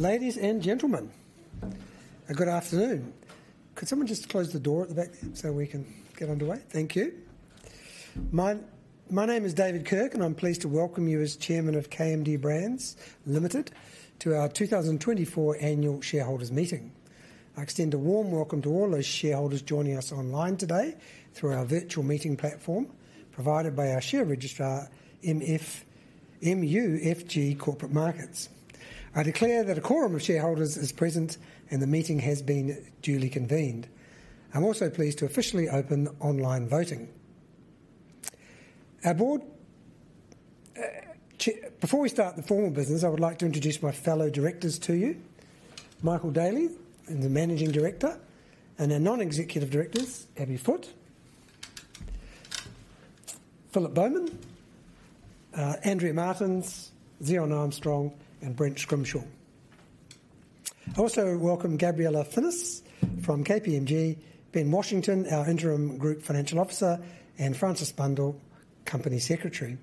Ladies and gentlemen, a good afternoon. Could someone just close the door at the back so we can get underway? Thank you. My name is David Kirk, and I'm pleased to welcome you as Chairman of KMD Brands Limited to our 2024 Annual Shareholders Meeting. I extend a warm welcome to all those shareholders joining us online today through our virtual meeting platform provided by our share registrar, MUFG Corporate Markets. I declare that a quorum of shareholders is present, and the meeting has been duly convened. I'm also pleased to officially open online voting. Before we start the formal business, I would like to introduce my fellow directors to you: Michael Daly, the Managing Director, and our Non-Executive Directors, Abby Foote, Philip Bowman, Andrea Martens, Zion Armstrong, and Brent Scrimshaw. I also welcome Gabriella Finness from KPMG, Ben Washington, our Interim Group Financial Officer, and Frances Blundell, Company Secretary.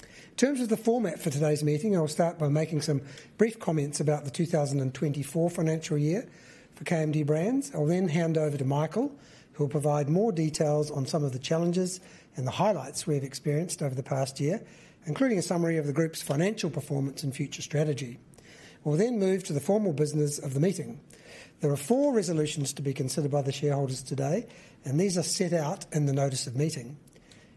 In terms of the format for today's meeting, I will start by making some brief comments about the 2024 financial year for KMD Brands. I'll then hand over to Michael, who will provide more details on some of the challenges and the highlights we've experienced over the past year, including a summary of the group's financial performance and future strategy. We'll then move to the formal business of the meeting. There are four resolutions to be considered by the shareholders today, and these are set out in the notice of meeting.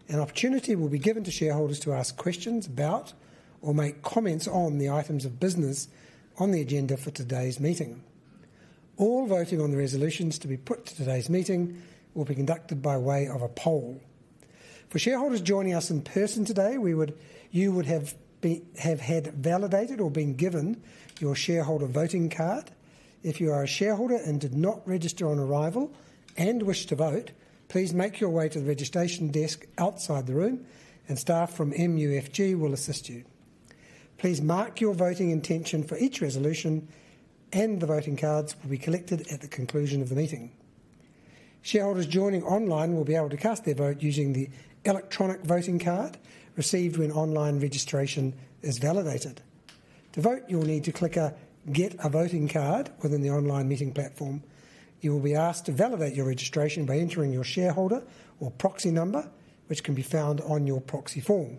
An opportunity will be given to shareholders to ask questions about or make comments on the items of business on the agenda for today's meeting. All voting on the resolutions to be put to today's meeting will be conducted by way of a poll. For shareholders joining us in person today, you would have had validated or been given your shareholder voting card. If you are a shareholder and did not register on arrival and wish to vote, please make your way to the registration desk outside the room, and staff from MUFG will assist you. Please mark your voting intention for each resolution, and the voting cards will be collected at the conclusion of the meeting. Shareholders joining online will be able to cast their vote using the electronic voting card received when online registration is validated. To vote, you'll need to click a "Get a Voting Card" within the online meeting platform. You will be asked to validate your registration by entering your shareholder or proxy number, which can be found on your proxy form.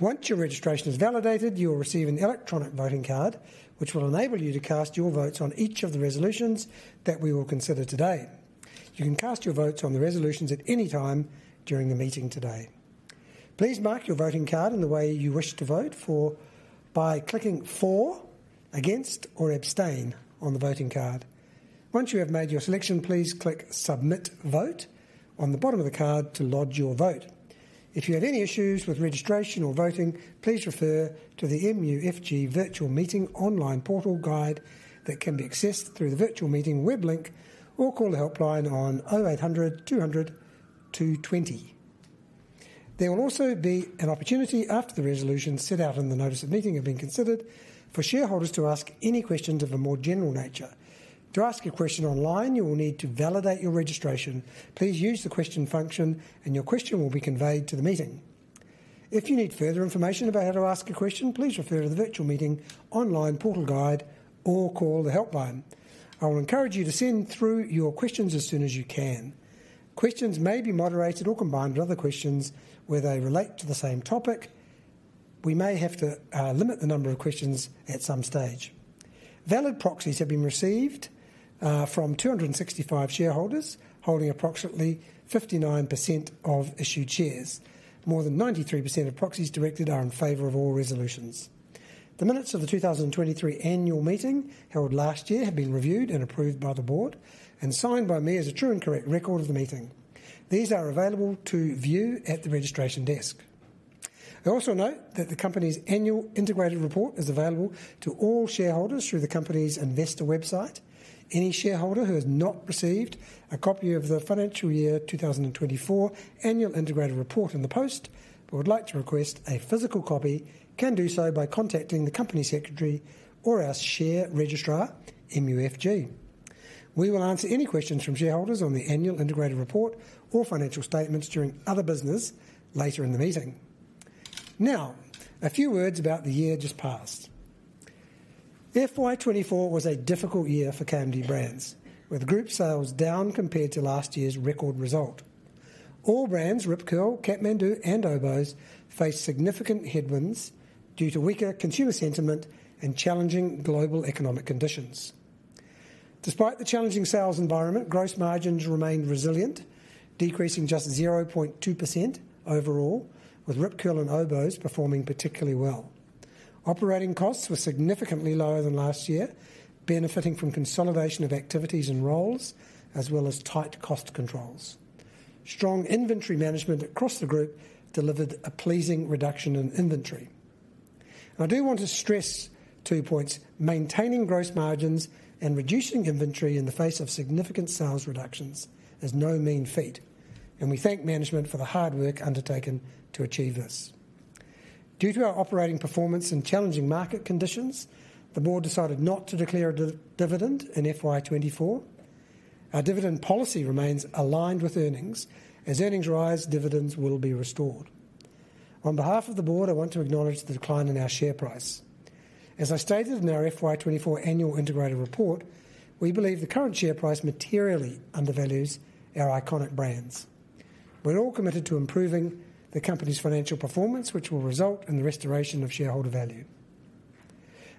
Once your registration is validated, you will receive an electronic voting card, which will enable you to cast your votes on each of the resolutions that we will consider today. You can cast your votes on the resolutions at any time during the meeting today. Please mark your voting card in the way you wish to vote by clicking "For", "Against", or "Abstain" on the voting card. Once you have made your selection, please click "Submit Vote" on the bottom of the card to lodge your vote. If you have any issues with registration or voting, please refer to the MUFG Virtual Meeting Online Portal guide that can be accessed through the virtual meeting web link or call the helpline on 0800 200 220. There will also be an opportunity after the resolutions set out in the notice of meeting have been considered for shareholders to ask any questions of a more general nature. To ask a question online, you will need to validate your registration. Please use the question function, and your question will be conveyed to the meeting. If you need further information about how to ask a question, please refer to the virtual meeting online portal guide or call the helpline. I will encourage you to send through your questions as soon as you can. Questions may be moderated or combined with other questions where they relate to the same topic. We may have to limit the number of questions at some stage. Valid proxies have been received from 265 shareholders holding approximately 59% of issued shares. More than 93% of proxies directed are in favor of all resolutions. The minutes of the 2023 Annual Meeting held last year have been reviewed and approved by the board and signed by me as a true and correct record of the meeting. These are available to view at the registration desk. I also note that the company's annual integrated report is available to all shareholders through the company's investor website. Any shareholder who has not received a copy of the financial year 2024 annual integrated report in the post but would like to request a physical copy can do so by contacting the company secretary or our share registrar, MUFG. We will answer any questions from shareholders on the annual integrated report or financial statements during other business later in the meeting. Now, a few words about the year just passed. FY24 was a difficult year for KMD Brands, with group sales down compared to last year's record result. brands, Rip Curl, Kathmandu, and Oboz, faced significant headwinds due to weaker consumer sentiment and challenging global economic conditions. Despite the challenging sales environment, gross margins remained resilient, decreasing just 0.2% overall, with Rip Curl and Oboz performing particularly well. Operating costs were significantly lower than last year, benefiting from consolidation of activities and roles, as well as tight cost controls. Strong inventory management across the group delivered a pleasing reduction in inventory. I do want to stress two points: maintaining gross margins and reducing inventory in the face of significant sales reductions is no mean feat, and we thank management for the hard work undertaken to achieve this. Due to our operating performance and challenging market conditions, the board decided not to declare a dividend in FY24. Our dividend policy remains aligned with earnings. As earnings rise, dividends will be restored. On behalf of the board, I want to acknowledge the decline in our share price. As I stated in our FY24 Annual Integrated Report, we believe the current share price materially undervalues our iconic brands. We're all committed to improving the company's financial performance, which will result in the restoration of shareholder value.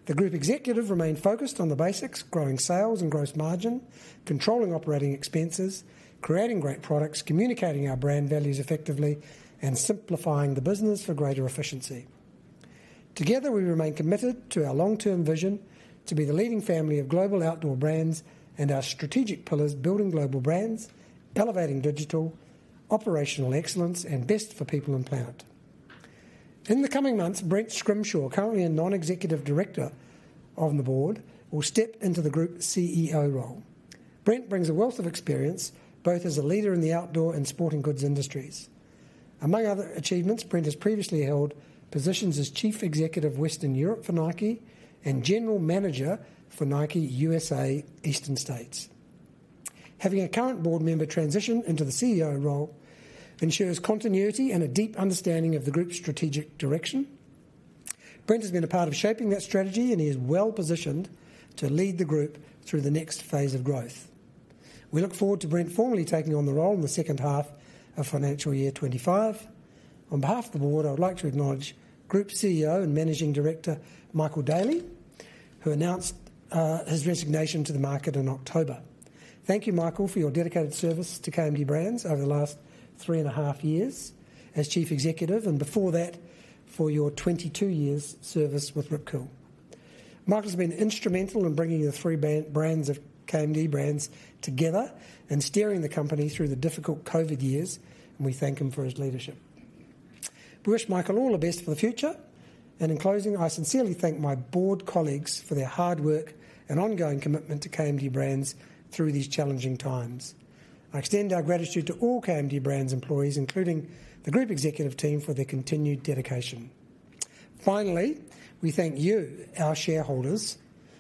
The group executive remained focused on the basics: growing sales and gross margin, controlling operating expenses, creating great products, communicating our brand values effectively, and simplifying the business for greater efficiency. Together, we remain committed to our long-term vision to be the leading family of global outdoor brands and our strategic pillars: building global brands, elevating digital operational excellence, and best for people and planet. In the coming months, Brent Scrimshaw, currently a Non-Executive Director of the board, will step into the Group CEO role. Brent brings a wealth of experience, both as a leader in the outdoor and sporting goods industries. Among other achievements, Brent has previously held positions as Chief Executive Western Europe for Nike and General Manager for Nike USA Eastern States. Having a current board member transition into the CEO role ensures continuity and a deep understanding of the group's strategic direction. Brent has been a part of shaping that strategy, and he is well positioned to lead the group through the next phase of growth. We look forward to Brent formally taking on the role in the second half of financial year 2025. On behalf of the board, I would like to acknowledge Group CEO and Managing Director Michael Daly, who announced his resignation to the market in October. Thank you, Michael, for your dedicated service to KMD Brands over the last three and a half years as Chief Executive and, before that, for your 22 years' service with Rip Curl. Michael has been instrumental in bringing the three brands of KMD Brands together and steering the company through the difficult COVID years, and we thank him for his leadership. We wish Michael all the best for the future. And in closing, I sincerely thank my board colleagues for their hard work and ongoing commitment to KMD Brands through these challenging times. I extend our gratitude to all KMD Brands employees, including the group executive team, for their continued dedication. Finally, we thank you, our shareholders,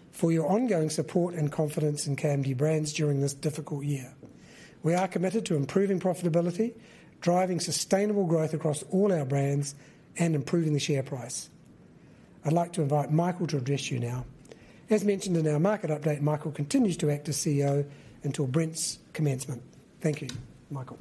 for your ongoing support and confidence in KMD Brands during this difficult year. We are committed to improving profitability, driving sustainable growth across all our brands, and improving the share price. I'd like to invite Michael to address you now. As mentioned in our market update, Michael continues to act as CEO until Brent's commencement. Thank you, Michael.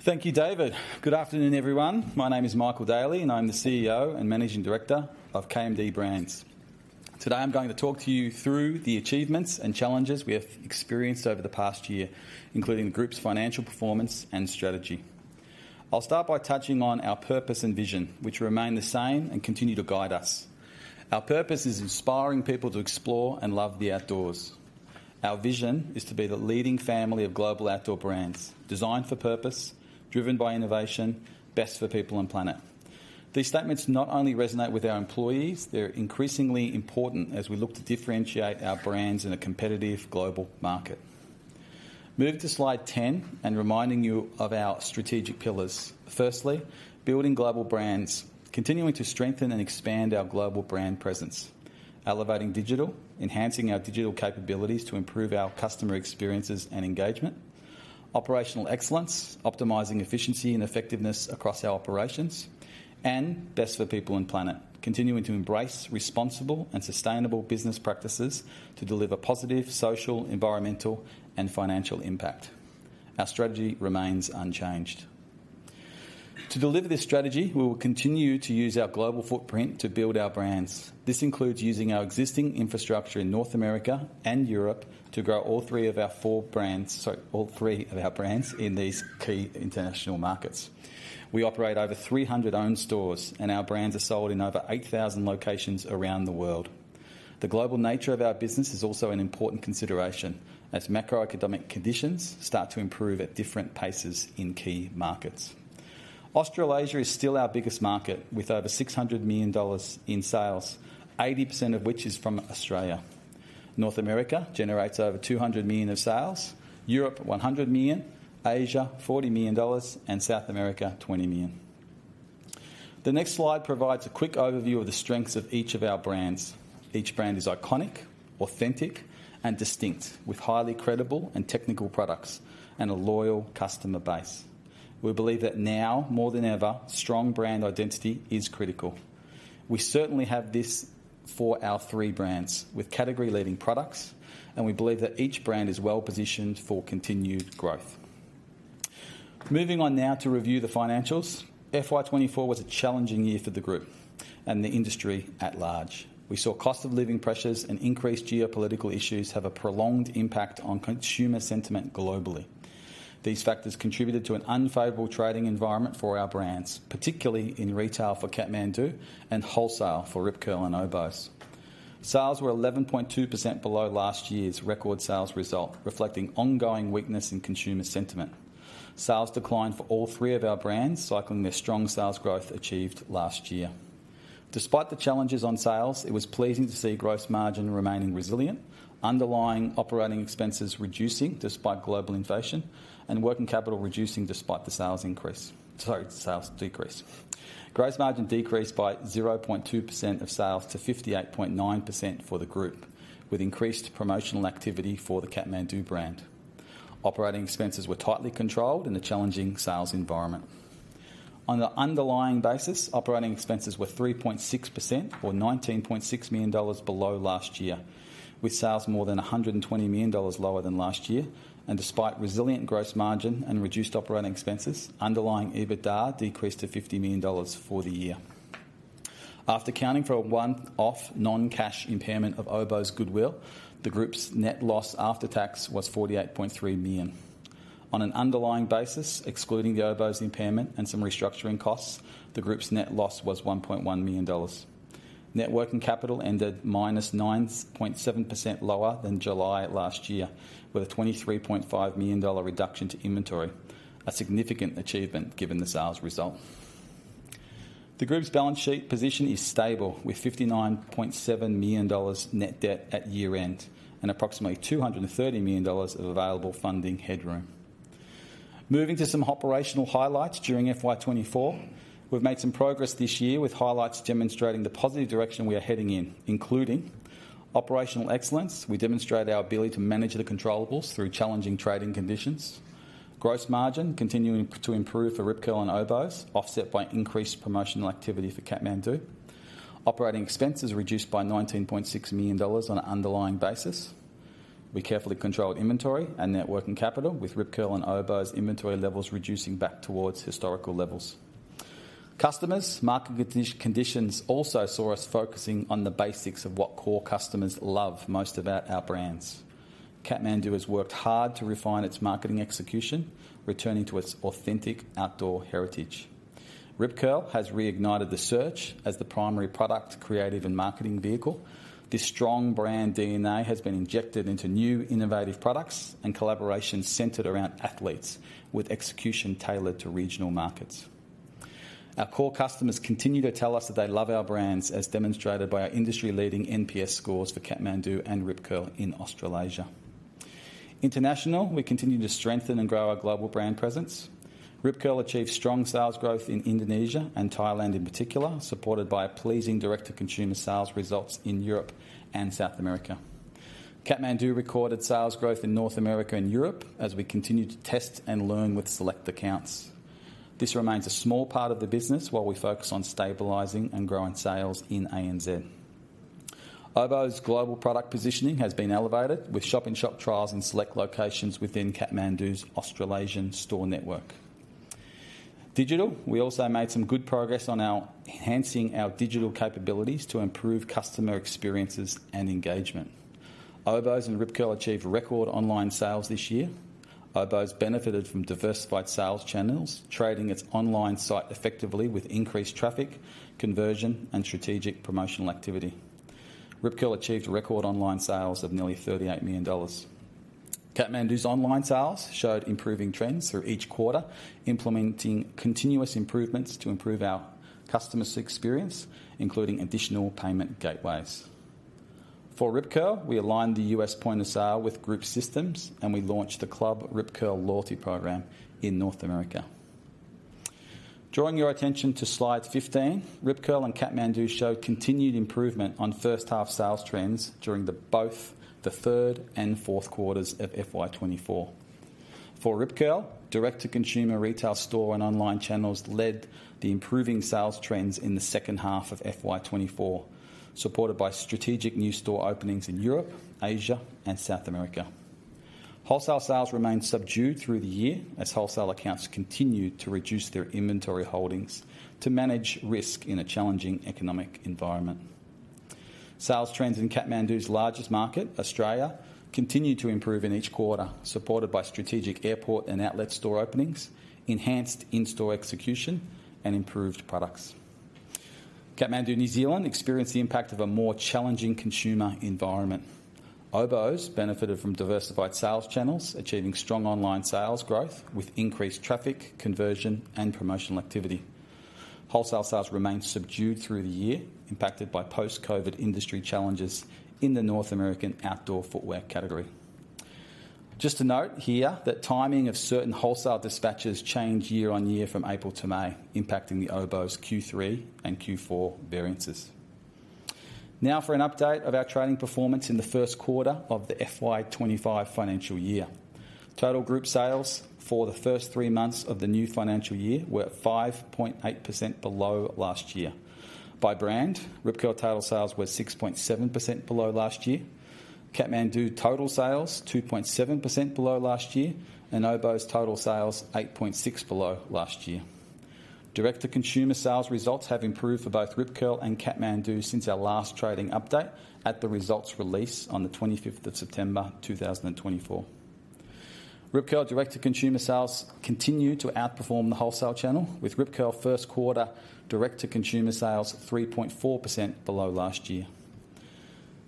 Thank you, David. Good afternoon, everyone. My name is Michael Daly, and I'm the CEO and Managing Director of KMD Brands. Today, I'm going to talk to you through the achievements and challenges we have experienced over the past year, including the group's financial performance and strategy. I'll start by touching on our purpose and vision, which remain the same and continue to guide us. Our purpose is inspiring people to explore and love the outdoors. Our vision is to be the leading family of global outdoor brands designed for purpose, driven by innovation, best for people and planet. These statements not only resonate with our employees. They're increasingly important as we look to differentiate our brands in a competitive global market. Move to slide 10 and reminding you of our strategic pillars. Firstly, building global brands, continuing to strengthen and expand our global brand presence, elevating digital, enhancing our digital capabilities to improve our customer experiences and engagement, operational excellence, optimizing efficiency and effectiveness across our operations, and best for people and planet, continuing to embrace responsible and sustainable business practices to deliver positive social, environmental, and financial impact. Our strategy remains unchanged. To deliver this strategy, we will continue to use our global footprint to build our brands. This includes using our existing infrastructure in North America and Europe to grow all three of our four brands - sorry, all three of our brands - in these key international markets. We operate over 300 owned stores, and our brands are sold in over 8,000 locations around the world. The global nature of our business is also an important consideration as macroeconomic conditions start to improve at different paces in key markets. Australasia is still our biggest market, with over 600 million dollars in sales, 80% of which is from Australia. North America generates over 200 million of sales, Europe 100 million, Asia 40 million dollars, and South America 20 million. The next slide provides a quick overview of the strengths of each of our brands. Each brand is iconic, authentic, and distinct, with highly credible and technical products and a loyal customer base. We believe that now more than ever, strong brand identity is critical. We certainly have this for our three brands with category-leading products, and we believe that each brand is well positioned for continued growth. Moving on now to review the financials, FY24 was a challenging year for the group and the industry at large. We saw cost of living pressures and increased geopolitical issues have a prolonged impact on consumer sentiment globally. These factors contributed to an unfavorable trading environment for our brands, particularly in retail for Kathmandu and wholesale for Rip Curl and Oboz. Sales were 11.2% below last year's record sales result, reflecting ongoing weakness in consumer sentiment. Sales declined for all three of our brands, cycling their strong sales growth achieved last year. Despite the challenges on sales, it was pleasing to see gross margin remaining resilient, underlying operating expenses reducing despite global inflation, and working capital reducing despite the sales decrease. Gross margin decreased by 0.2% of sales to 58.9% for the group, with increased promotional activity for the Kathmandu brand. Operating expenses were tightly controlled in a challenging sales environment. On an underlying basis, operating expenses were 3.6% or 19.6 million dollars below last year, with sales more than 120 million dollars lower than last year. Despite resilient gross margin and reduced operating expenses, underlying EBITDA decreased to 50 million dollars for the year. After accounting for a one-off non-cash impairment of Oboz goodwill, the group's net loss after tax was 48.3 million. On an underlying basis, excluding the Oboz impairment and some restructuring costs, the group's net loss was 1.1 million dollars. Working capital ended 9.7% lower than July last year, with a 23.5 million dollar reduction to inventory, a significant achievement given the sales result. The group's balance sheet position is stable, with 59.7 million dollars net debt at year-end and approximately 230 million dollars of available funding headroom. Moving to some operational highlights during FY24, we've made some progress this year with highlights demonstrating the positive direction we are heading in, including operational excellence. We demonstrate our ability to manage the controllable through challenging trading conditions. Gross margin continuing to improve for Rip Curl and Oboz, offset by increased promotional activity for Kathmandu. Operating expenses reduced by 19.6 million dollars on an underlying basis. We carefully controlled inventory and working capital, with Rip Curl and Oboz inventory levels reducing back towards historical levels. Challenging market conditions also saw us focusing on the basics of what core customers love most about our brands. Kathmandu has worked hard to refine its marketing execution, returning to its authentic outdoor heritage. Rip Curl has reignited the surf as the primary product creative and marketing vehicle. This strong brand DNA has been injected into new innovative products and collaborations centered around athletes, with execution tailored to regional markets. Our core customers continue to tell us that they love our brands, as demonstrated by our industry-leading NPS scores for Kathmandu and Rip Curl in Australasia. Internationally, we continue to strengthen and grow our global brand presence. Rip Curl achieved strong sales growth in Indonesia and Thailand in particular, supported by pleasing direct-to-consumer sales results in Europe and South America. Kathmandu recorded sales growth in North America and Europe as we continue to test and learn with select accounts. This remains a small part of the business while we focus on stabilizing and growing sales in ANZ. Oboz's global product positioning has been elevated, with shop-in-shop trials in select locations within Kathmandu's Australasian store network. Digital, we also made some good progress on enhancing our digital capabilities to improve customer experiences and engagement. Oboz and Rip Curl achieved record online sales this year. Oboz benefited from diversified sales channels, trading its online site effectively with increased traffic, conversion, and strategic promotional activity. Rip Curl achieved record online sales of nearly 38 million dollars. Kathmandu's online sales showed improving trends through each quarter, implementing continuous improvements to improve our customer experience, including additional payment gateways. For Rip Curl, we aligned the US point of sale with group systems, and we launched the Club Rip Curl loyalty program in North America. Drawing your attention to slide 15, Rip Curl and Kathmandu showed continued improvement on first-half sales trends during both the third and fourth quarters of FY24. For Rip Curl, direct-to-consumer retail store and online channels led the improving sales trends in the second half of FY24, supported by strategic new store openings in Europe, Asia, and South America. Wholesale sales remained subdued through the year as wholesale accounts continued to reduce their inventory holdings to manage risk in a challenging economic environment. Sales trends in Kathmandu's largest market, Australia, continued to improve in each quarter, supported by strategic airport and outlet store openings, enhanced in-store execution, and improved products. Kathmandu New Zealand, experienced the impact of a more challenging consumer environment. Oboz benefited from diversified sales channels, achieving strong online sales growth with increased traffic, conversion, and promotional activity. Wholesale sales remained subdued through the year, impacted by post-COVID industry challenges in the North American outdoor footwear category. Just to note here that timing of certain wholesale dispatches changed year on year from April to May, impacting the Oboz Q3 and Q4 variances. Now for an update of our trading performance in the first quarter of the FY25 financial year. Total group sales for the first three months of the new financial year were 5.8% below last year. By brand, Rip Curl total sales were 6.7% below last year. Kathmandu total sales were 2.7% below last year, and Oboz total sales were 8.6% below last year. Direct-to-consumer sales results have improved for both Rip Curl and Kathmandu since our last trading update at the results release on the 25th of September 2024. Rip Curl direct-to-consumer sales continued to outperform the wholesale channel, with Rip Curl first quarter direct-to-consumer sales 3.4% below last year.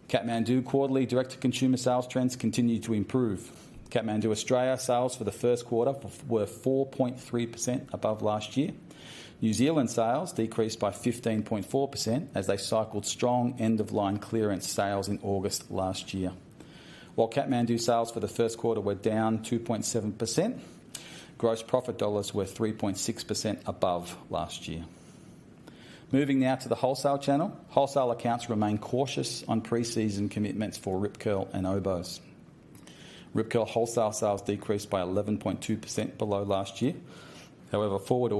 Kathmandu quarterly direct-to-consumer sales trends continued to improve. Kathmandu Australia sales for the first quarter were 4.3% above last year. New Zealand sales decreased by 15.4% as they cycled strong end-of-line clearance sales in August last year. While Kathmandu sales for the first quarter were down 2.7%, gross profit dollars were 3.6% above last year. Moving now to the wholesale channel, wholesale accounts remain cautious on pre-season commitments for Rip Curl and Oboz. Rip Curl wholesale sales decreased by 11.2% below last year. However, forward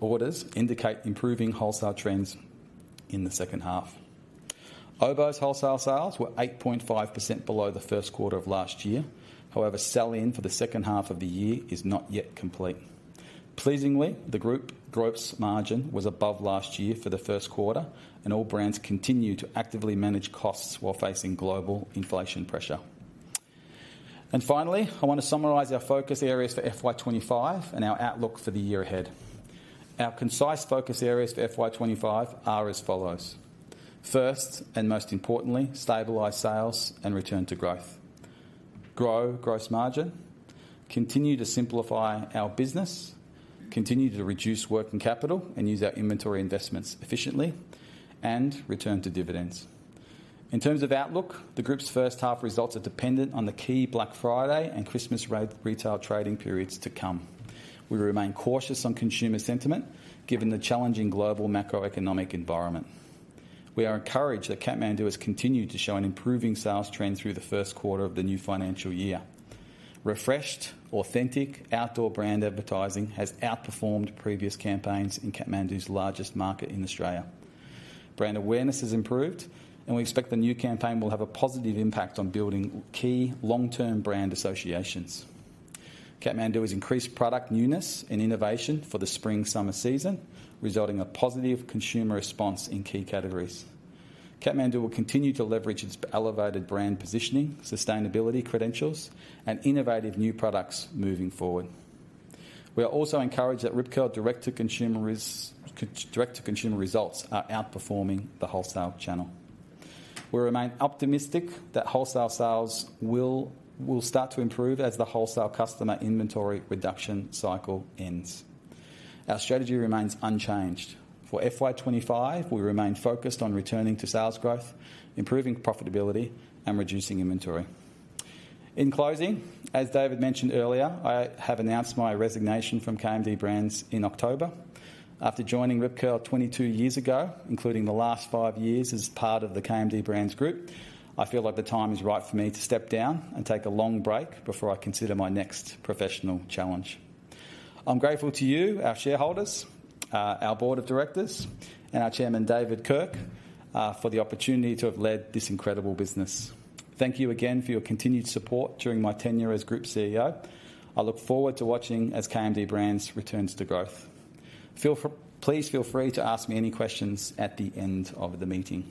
orders indicate improving wholesale trends in the second half. Oboz wholesale sales were 8.5% below the first quarter of last year. However, sell-in for the second half of the year is not yet complete. Pleasingly, the group's margin was above last year for the first quarter, and all brands continue to actively manage costs while facing global inflation pressure. And finally, I want to summarise our focus areas for FY25 and our outlook for the year ahead. Our concise focus areas for FY25 are as follows. First and most importantly, stabilise sales and return to growth. Grow gross margin, continue to simplify our business, continue to reduce working capital and use our inventory investments efficiently, and return to dividends. In terms of outlook, the group's first half results are dependent on the key Black Friday and Christmas retail trading periods to come. We remain cautious on consumer sentiment given the challenging global macroeconomic environment. We are encouraged that Kathmandu has continued to show an improving sales trend through the first quarter of the new financial year. Refreshed, authentic outdoor brand advertising has outperformed previous campaigns in Kathmandu's largest market in Australia. Brand awareness has improved, and we expect the new campaign will have a positive impact on building key long-term brand associations. Kathmandu has increased product newness and innovation for the spring-summer season, resulting in a positive consumer response in key categories. Kathmandu will continue to leverage its elevated brand positioning, sustainability credentials, and innovative new products moving forward. We are also encouraged that Rip Curl direct-to-consumer results are outperforming the wholesale channel. We remain optimistic that wholesale sales will start to improve as the wholesale customer inventory reduction cycle ends. Our strategy remains unchanged. For FY25, we remain focused on returning to sales growth, improving profitability, and reducing inventory. In closing, as David mentioned earlier, I have announced my resignation from KMD Brands in October. After joining Rip Curl 22 years ago, including the last five years as part of the KMD Brands Group, I feel like the time is right for me to step down and take a long break before I consider my next professional challenge. I'm grateful to you, our shareholders, our board of directors, and our chairman, David Kirk, for the opportunity to have led this incredible business. Thank you again for your continued support during my tenure as Group CEO. I look forward to watching as KMD Brands returns to growth. Please feel free to ask me any questions at the end of the meeting.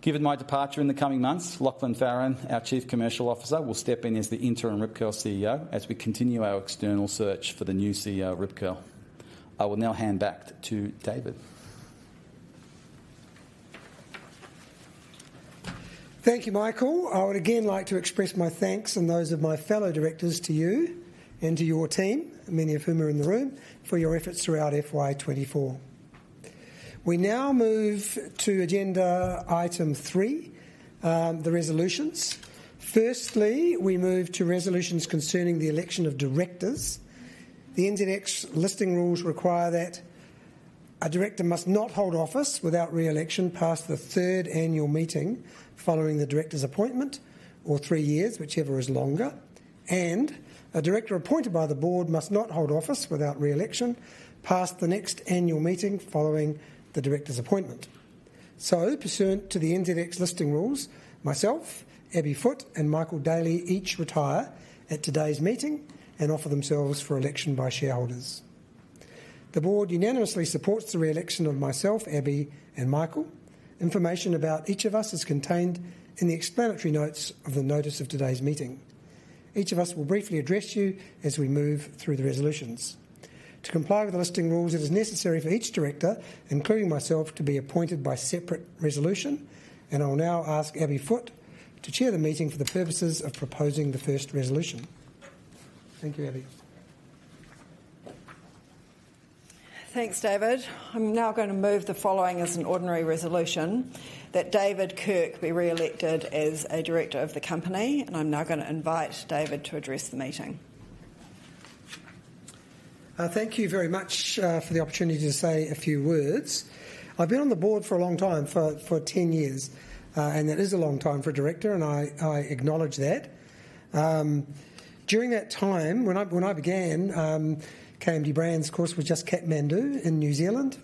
Given my departure in the coming months, Lachlan Farren, our Chief Commercial Officer, our Chief Commercial Officer, will step in as the interim Rip Curl CEO as we continue our external search for the new CEO of Rip Curl. I will now hand back to David. Thank you, Michael. I would again like to express my thanks and those of my fellow directors to you and to your team, many of whom are in the room, for your efforts throughout FY24. We now move to agenda item three, the resolutions. Firstly, we move to resolutions concerning the election of directors. The NZX listing rules require that a director must not hold office without re-election past the third annual meeting following the director's appointment or three years, whichever is longer, and a director appointed by the board must not hold office without re-election past the next annual meeting following the director's appointment. So, pursuant to the NZX listing rules, myself, Abby Foote, and Michael Daly each retire at today's meeting and offer themselves for election by shareholders. The board unanimously supports the re-election of myself, Abby, and Michael. Information about each of us is contained in the explanatory notes of the notice of today's meeting. Each of us will briefly address you as we move through the resolutions. To comply with the listing rules, it is necessary for each director, including myself, to be appointed by separate resolution, and I will now ask Abby Foote to chair the meeting for the purposes of proposing the first resolution. Thank you, Abby. Thanks, David. I'm now going to move the following as an ordinary resolution: that David Kirk be re-elected as a director of the company, and I'm now going to invite David to address the meeting. Thank you very much for the opportunity to say a few words. I've been on the board for a long time, for 10 years, and that is a long time for a director, and I acknowledge that. During that time, when I began, KMD Brands, of course, was just Kathmandu in New Zealand,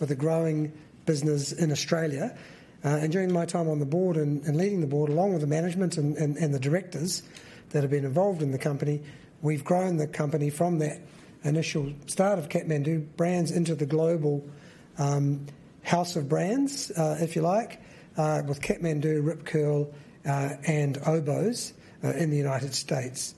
with a growing business in Australia. And during my time on the board and leading the board, along with the management and the directors that have been involved in the company, we've grown the company from that initial start of Kathmandu Brands into the global house of brands, if you like, with Kathmandu, Rip Curl, and Oboz in the United States.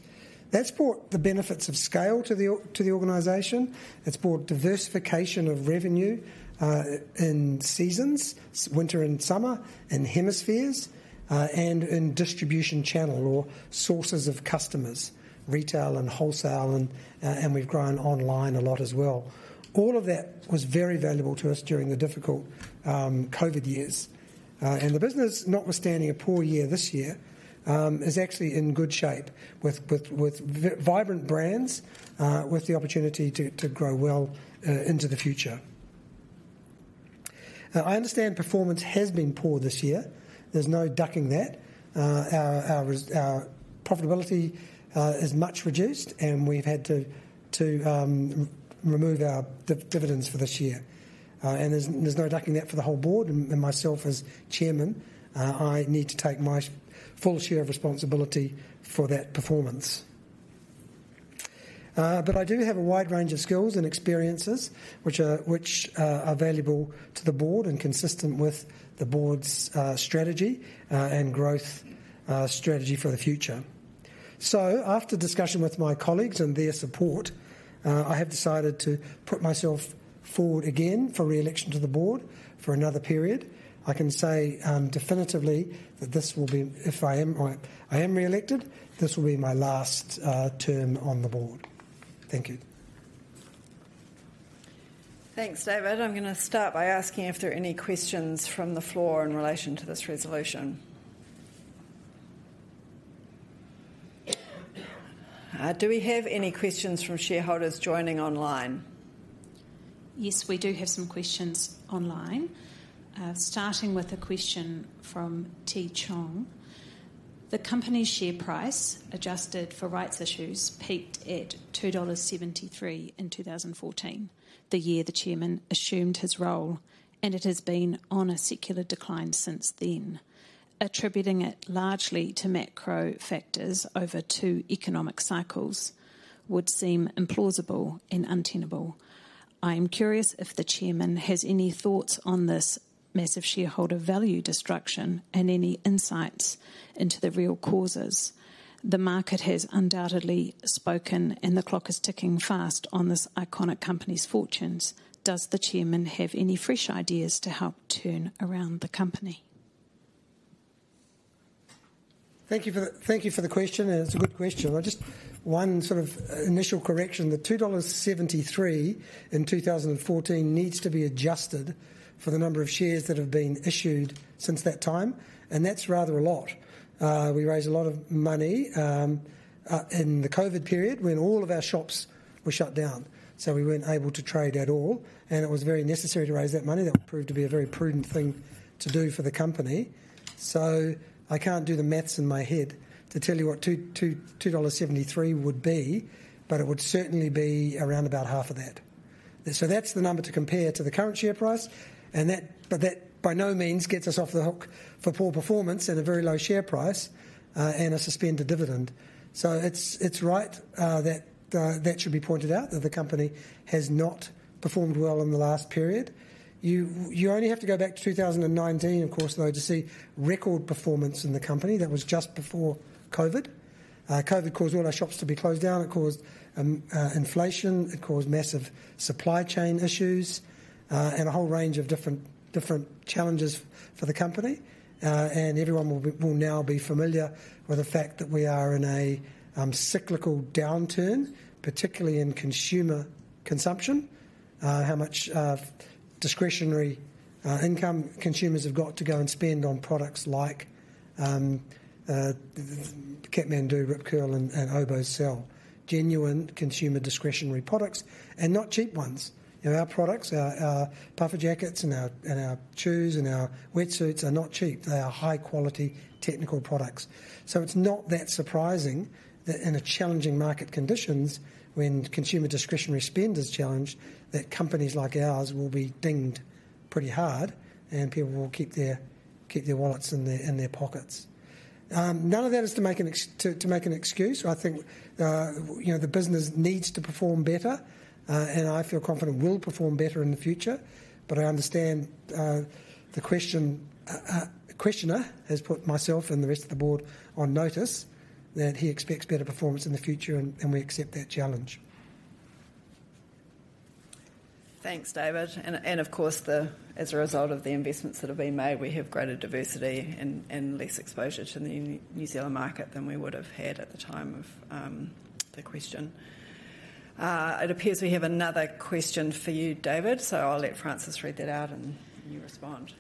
That's brought the benefits of scale to the organization. It's brought diversification of revenue in seasons, winter and summer, and hemispheres, and in distribution channel or sources of customers, retail and wholesale, and we've grown online a lot as well. All of that was very valuable to us during the difficult COVID years, and the business, notwithstanding a poor year this year, is actually in good shape, with vibrant brands, with the opportunity to grow well into the future. I understand performance has been poor this year. There's no ducking that. Our profitability is much reduced, and we've had to remove our dividends for this year, and there's no ducking that for the whole board, and myself as chairman, I need to take my full share of responsibility for that performance. But I do have a wide range of skills and experiences which are valuable to the board and consistent with the board's strategy and growth strategy for the future. So, after discussion with my colleagues and their support, I have decided to put myself forward again for re-election to the board for another period. I can say definitively that this will be—if I am re-elected, this will be my last term on the board. Thank you. Thanks, David. I'm going to start by asking if there are any questions from the floor in relation to this resolution. Do we have any questions from shareholders joining online? Yes, we do have some questions online. Starting with a question from T. Chong. The company's share price, adjusted for rights issues, peaked at 2.73 dollars in 2014, the year the chairman assumed his role, and it has been on a secular decline since then. Attributing it largely to macro factors over two economic cycles would seem implausible and untenable. I am curious if the chairman has any thoughts on this massive shareholder value destruction and any insights into the real causes. The market has undoubtedly spoken, and the clock is ticking fast on this iconic company's fortunes. Does the chairman have any fresh ideas to help turn around the company? Thank you for the question. It's a good question. Just one sort of initial correction. The 2.73 dollars in 2014 needs to be adjusted for the number of shares that have been issued since that time, and that's rather a lot. We raised a lot of money in the COVID period when all of our shops were shut down, so we weren't able to trade at all, and it was very necessary to raise that money. That proved to be a very prudent thing to do for the company. So, I can't do the math in my head to tell you what 2.73 dollars would be, but it would certainly be around about half of that. So, that's the number to compare to the current share price, but that by no means gets us off the hook for poor performance and a very low share price and a suspended dividend. So, it's right that that should be pointed out, that the company has not performed well in the last period. You only have to go back to 2019, of course, though, to see record performance in the company. That was just before COVID. COVID caused all our shops to be closed down. It caused inflation. It caused massive supply chain issues and a whole range of different challenges for the company. Everyone will now be familiar with the fact that we are in a cyclical downturn, particularly in consumer consumption, how much discretionary income consumers have got to go and spend on products like Kathmandu, Rip Curl, and Oboz sell. Genuine consumer discretionary products and not cheap ones. Our products, our puffer jackets and our shoes and our wetsuits are not cheap. They are high-quality technical products. So, it's not that surprising that in challenging market conditions, when consumer discretionary spend is challenged, that companies like ours will be dinged pretty hard and people will keep their wallets in their pockets. None of that is to make an excuse. I think the business needs to perform better, and I feel confident will perform better in the future. But I understand the questioner has put myself and the rest of the board on notice that he expects better performance in the future, and we accept that challenge. Thanks, David. And of course, as a result of the investments that have been made, we have greater diversity and less exposure to the New Zealand market than we would have had at the time of the question. It appears we have another question for you, David, so I'll let Frances read that out and you respond.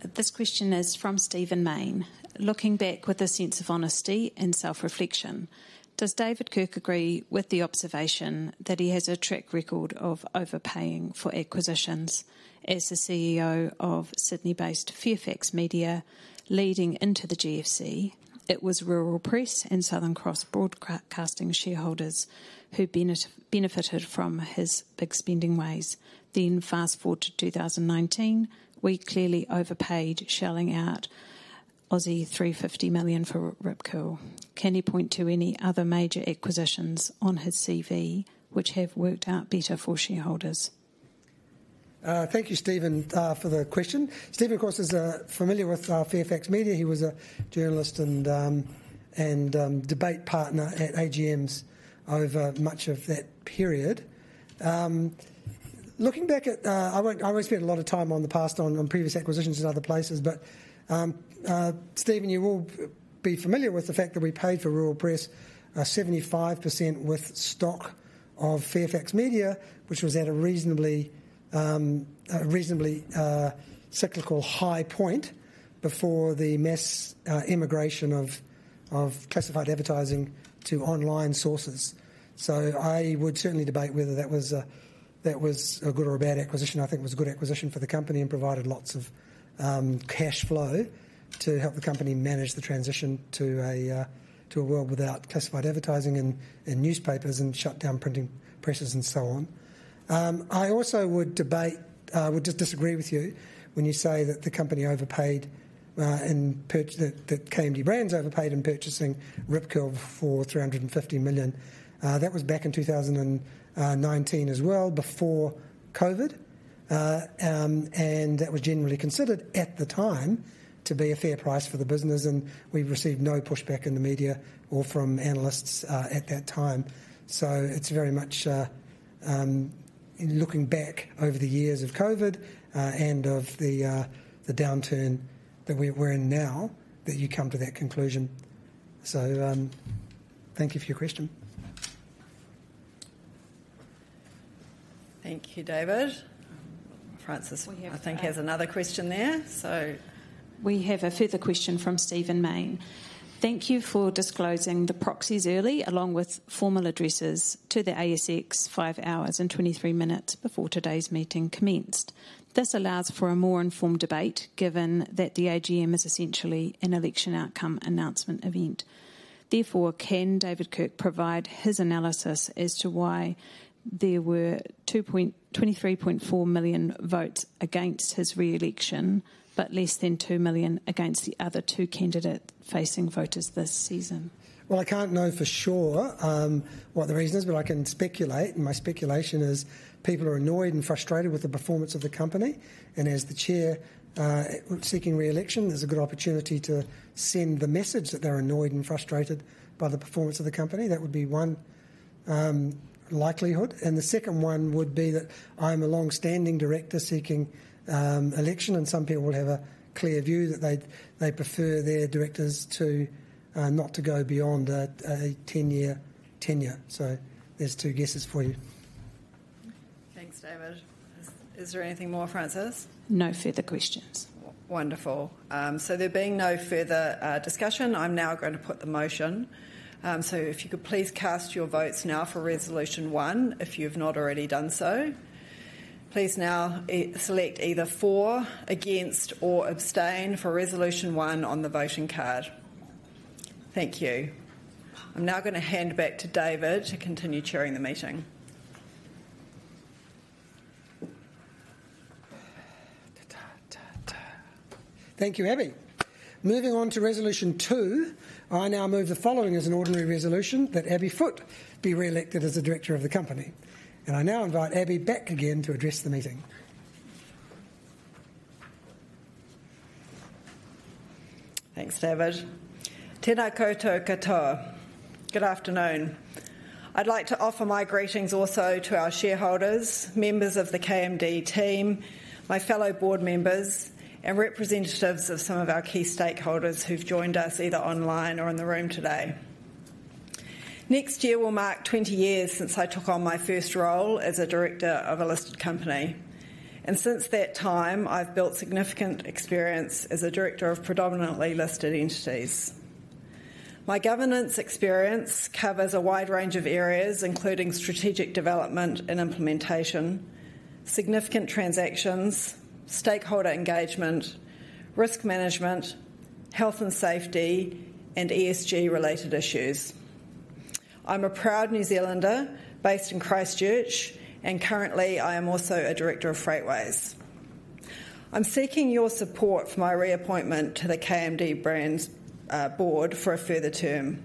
This question is from Stephen Mayne. Looking back with a sense of honesty and self-reflection, does David Kirk agree with the observation that he has a track record of overpaying for acquisitions as the CEO of Sydney-based Fairfax Media leading into the GFC? It was Rural Press and Southern Cross Broadcasting shareholders who benefited from his expanding ways. Then, fast forward to 2019, we clearly overpaid, shelling out 350 million for Rip Curl. Can he point to any other major acquisitions on his CV which have worked out better for shareholders? Thank you, Stephen, for the question. Stephen, of course, is familiar with Fairfax Media. He was a journalist and debate partner at AGMs over much of that period. Looking back at - I won't spend a lot of time on the past, on previous acquisitions in other places, but Stephen, you will be familiar with the fact that we paid for Rural Press 75% with stock of Fairfax Media, which was at a reasonably cyclical high point before the mass immigration of classified advertising to online sources. So, I would certainly debate whether that was a good or a bad acquisition. I think it was a good acquisition for the company and provided lots of cash flow to help the company manage the transition to a world without classified advertising and newspapers and shut down printing presses and so on. I also would debate. I would just disagree with you when you say that the company overpaid and that KMD Brands overpaid in purchasing Rip Curl for 350 million. That was back in 2019 as well, before COVID, and that was generally considered at the time to be a fair price for the business, and we received no pushback in the media or from analysts at that time. So, it's very much looking back over the years of COVID and of the downturn that we're in now that you come to that conclusion. So, thank you for your question. Thank you, David. Frances, I think, has another question there. We have a further question from Stephen Mayne. Thank you for disclosing the proxies early, along with formal addresses to the ASX five hours and 23 minutes before today's meeting commenced. This allows for a more informed debate, given that the AGM is essentially an election outcome announcement event. Therefore, can David Kirk provide his analysis as to why there were 23.4 million votes against his re-election, but less than two million against the other two candidates facing voters this season? Well, I can't know for sure what the reason is, but I can speculate, and my speculation is people are annoyed and frustrated with the performance of the company. And as the Chair seeking re-election, there's a good opportunity to send the message that they're annoyed and frustrated by the performance of the company. That would be one likelihood. And the second one would be that I'm a long-standing director seeking election, and some people would have a clear view that they prefer their directors not to go beyond a 10-year tenure. So, there's two guesses for you. Thanks, David. Is there anything more, Frances? No further questions. Wonderful. So, there being no further discussion, I'm now going to put the motion. So, if you could please cast your votes now for Resolution one, if you've not already done so. Please now select either for, against, or abstain for Resolution one on the voting card. Thank you. I'm now going to hand back to David to continue chairing the meeting. Thank you, Abby. Moving on to Resolution two, I now move the following as an ordinary resolution that Abby Foote be re-elected as the director of the company. And I now invite Abby back again to address the meeting. Thanks, David. Tēnā koutou katoa, good afternoon. I'd like to offer my greetings also to our shareholders, members of the KMD team, my fellow board members, and representatives of some of our key stakeholders who've joined us either online or in the room today. Next year will mark 20 years since I took on my first role as a director of a listed company. And since that time, I've built significant experience as a director of predominantly listed entities. My governance experience covers a wide range of areas, including strategic development and implementation, significant transactions, stakeholder engagement, risk management, health and safety, and ESG-related issues. I'm a proud New Zealander based in Christchurch, and currently I am also a director of Freightways. I'm seeking your support for my reappointment to the KMD Brands board for a further term.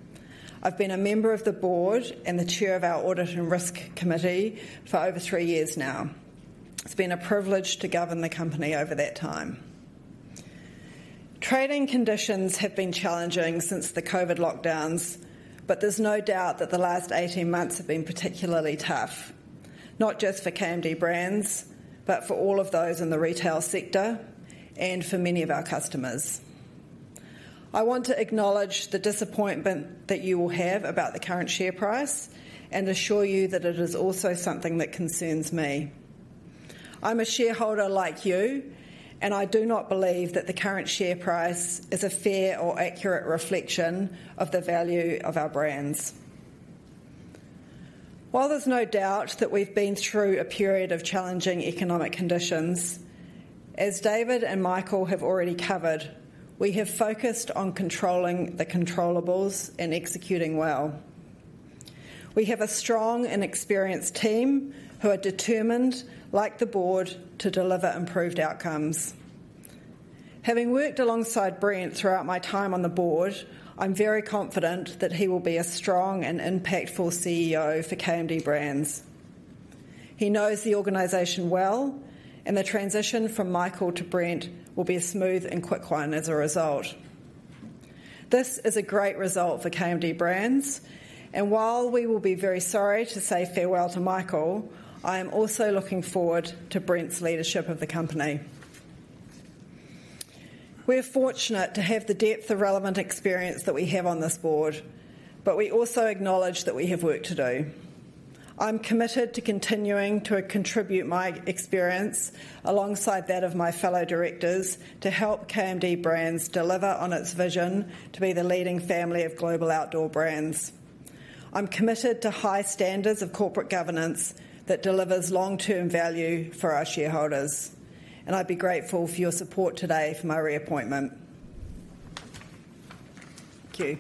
I've been a member of the board and the chair of our audit and risk committee for over three years now. It's been a privilege to govern the company over that time. Trading conditions have been challenging since the COVID lockdowns, but there's no doubt that the last 18 months have been particularly tough, not just for KMD Brands, but for all of those in the retail sector and for many of our customers. I want to acknowledge the disappointment that you will have about the current share price and assure you that it is also something that concerns me. I'm a shareholder like you, and I do not believe that the current share price is a fair or accurate reflection of the value of our brands. While there's no doubt that we've been through a period of challenging economic conditions, as David and Michael have already covered, we have focused on controlling the controllables, and executing well. We have a strong and experienced team who are determined, like the board, to deliver improved outcomes. Having worked alongside Brent throughout my time on the board, I'm very confident that he will be a strong and impactful CEO for KMD Brands. He knows the organization well, and the transition from Michael to Brent will be a smooth and quick one as a result. This is a great result for KMD Brands, and while we will be very sorry to say farewell to Michael, I am also looking forward to Brent's leadership of the company. We are fortunate to have the depth of relevant experience that we have on this board, but we also acknowledge that we have work to do. I'm committed to continuing to contribute my experience alongside that of my fellow directors to help KMD Brands deliver on its vision to be the leading family of global outdoor brands. I'm committed to high standards of corporate governance that delivers long-term value for our shareholders, and I'd be grateful for your support today for my reappointment. Thank you.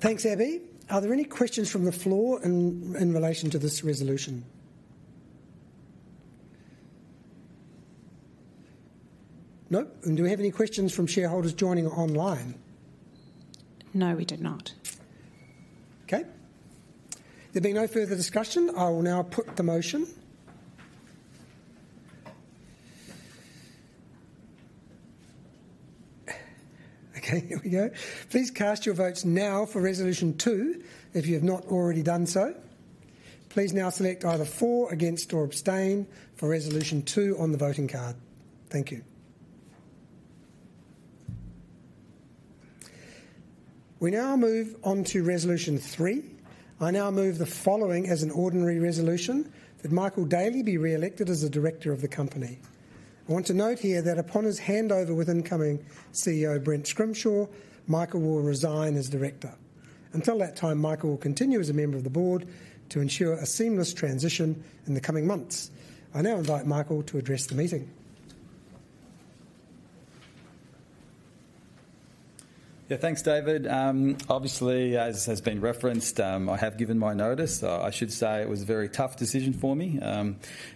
Thanks, Abby. Are there any questions from the floor in relation to this resolution? Nope. And do we have any questions from shareholders joining online? No, we do not. Okay. There being no further discussion, I will now put the motion. Okay, here we go. Please cast your votes now for Resolution two if you have not already done so. Please now select either for, against, or abstain for Resolution two on the voting card. Thank you. We now move on to Resolution three. I now move the following as an ordinary resolution: that Michael Daly be re-elected as the director of the company. I want to note here that upon his handover with incoming CEO Brent Scrimshaw, Michael will resign as director. Until that time, Michael will continue as a member of the board to ensure a seamless transition in the coming months. I now invite Michael to address the meeting. Yeah, thanks, David. Obviously, as has been referenced, I have given my notice. I should say it was a very tough decision for me.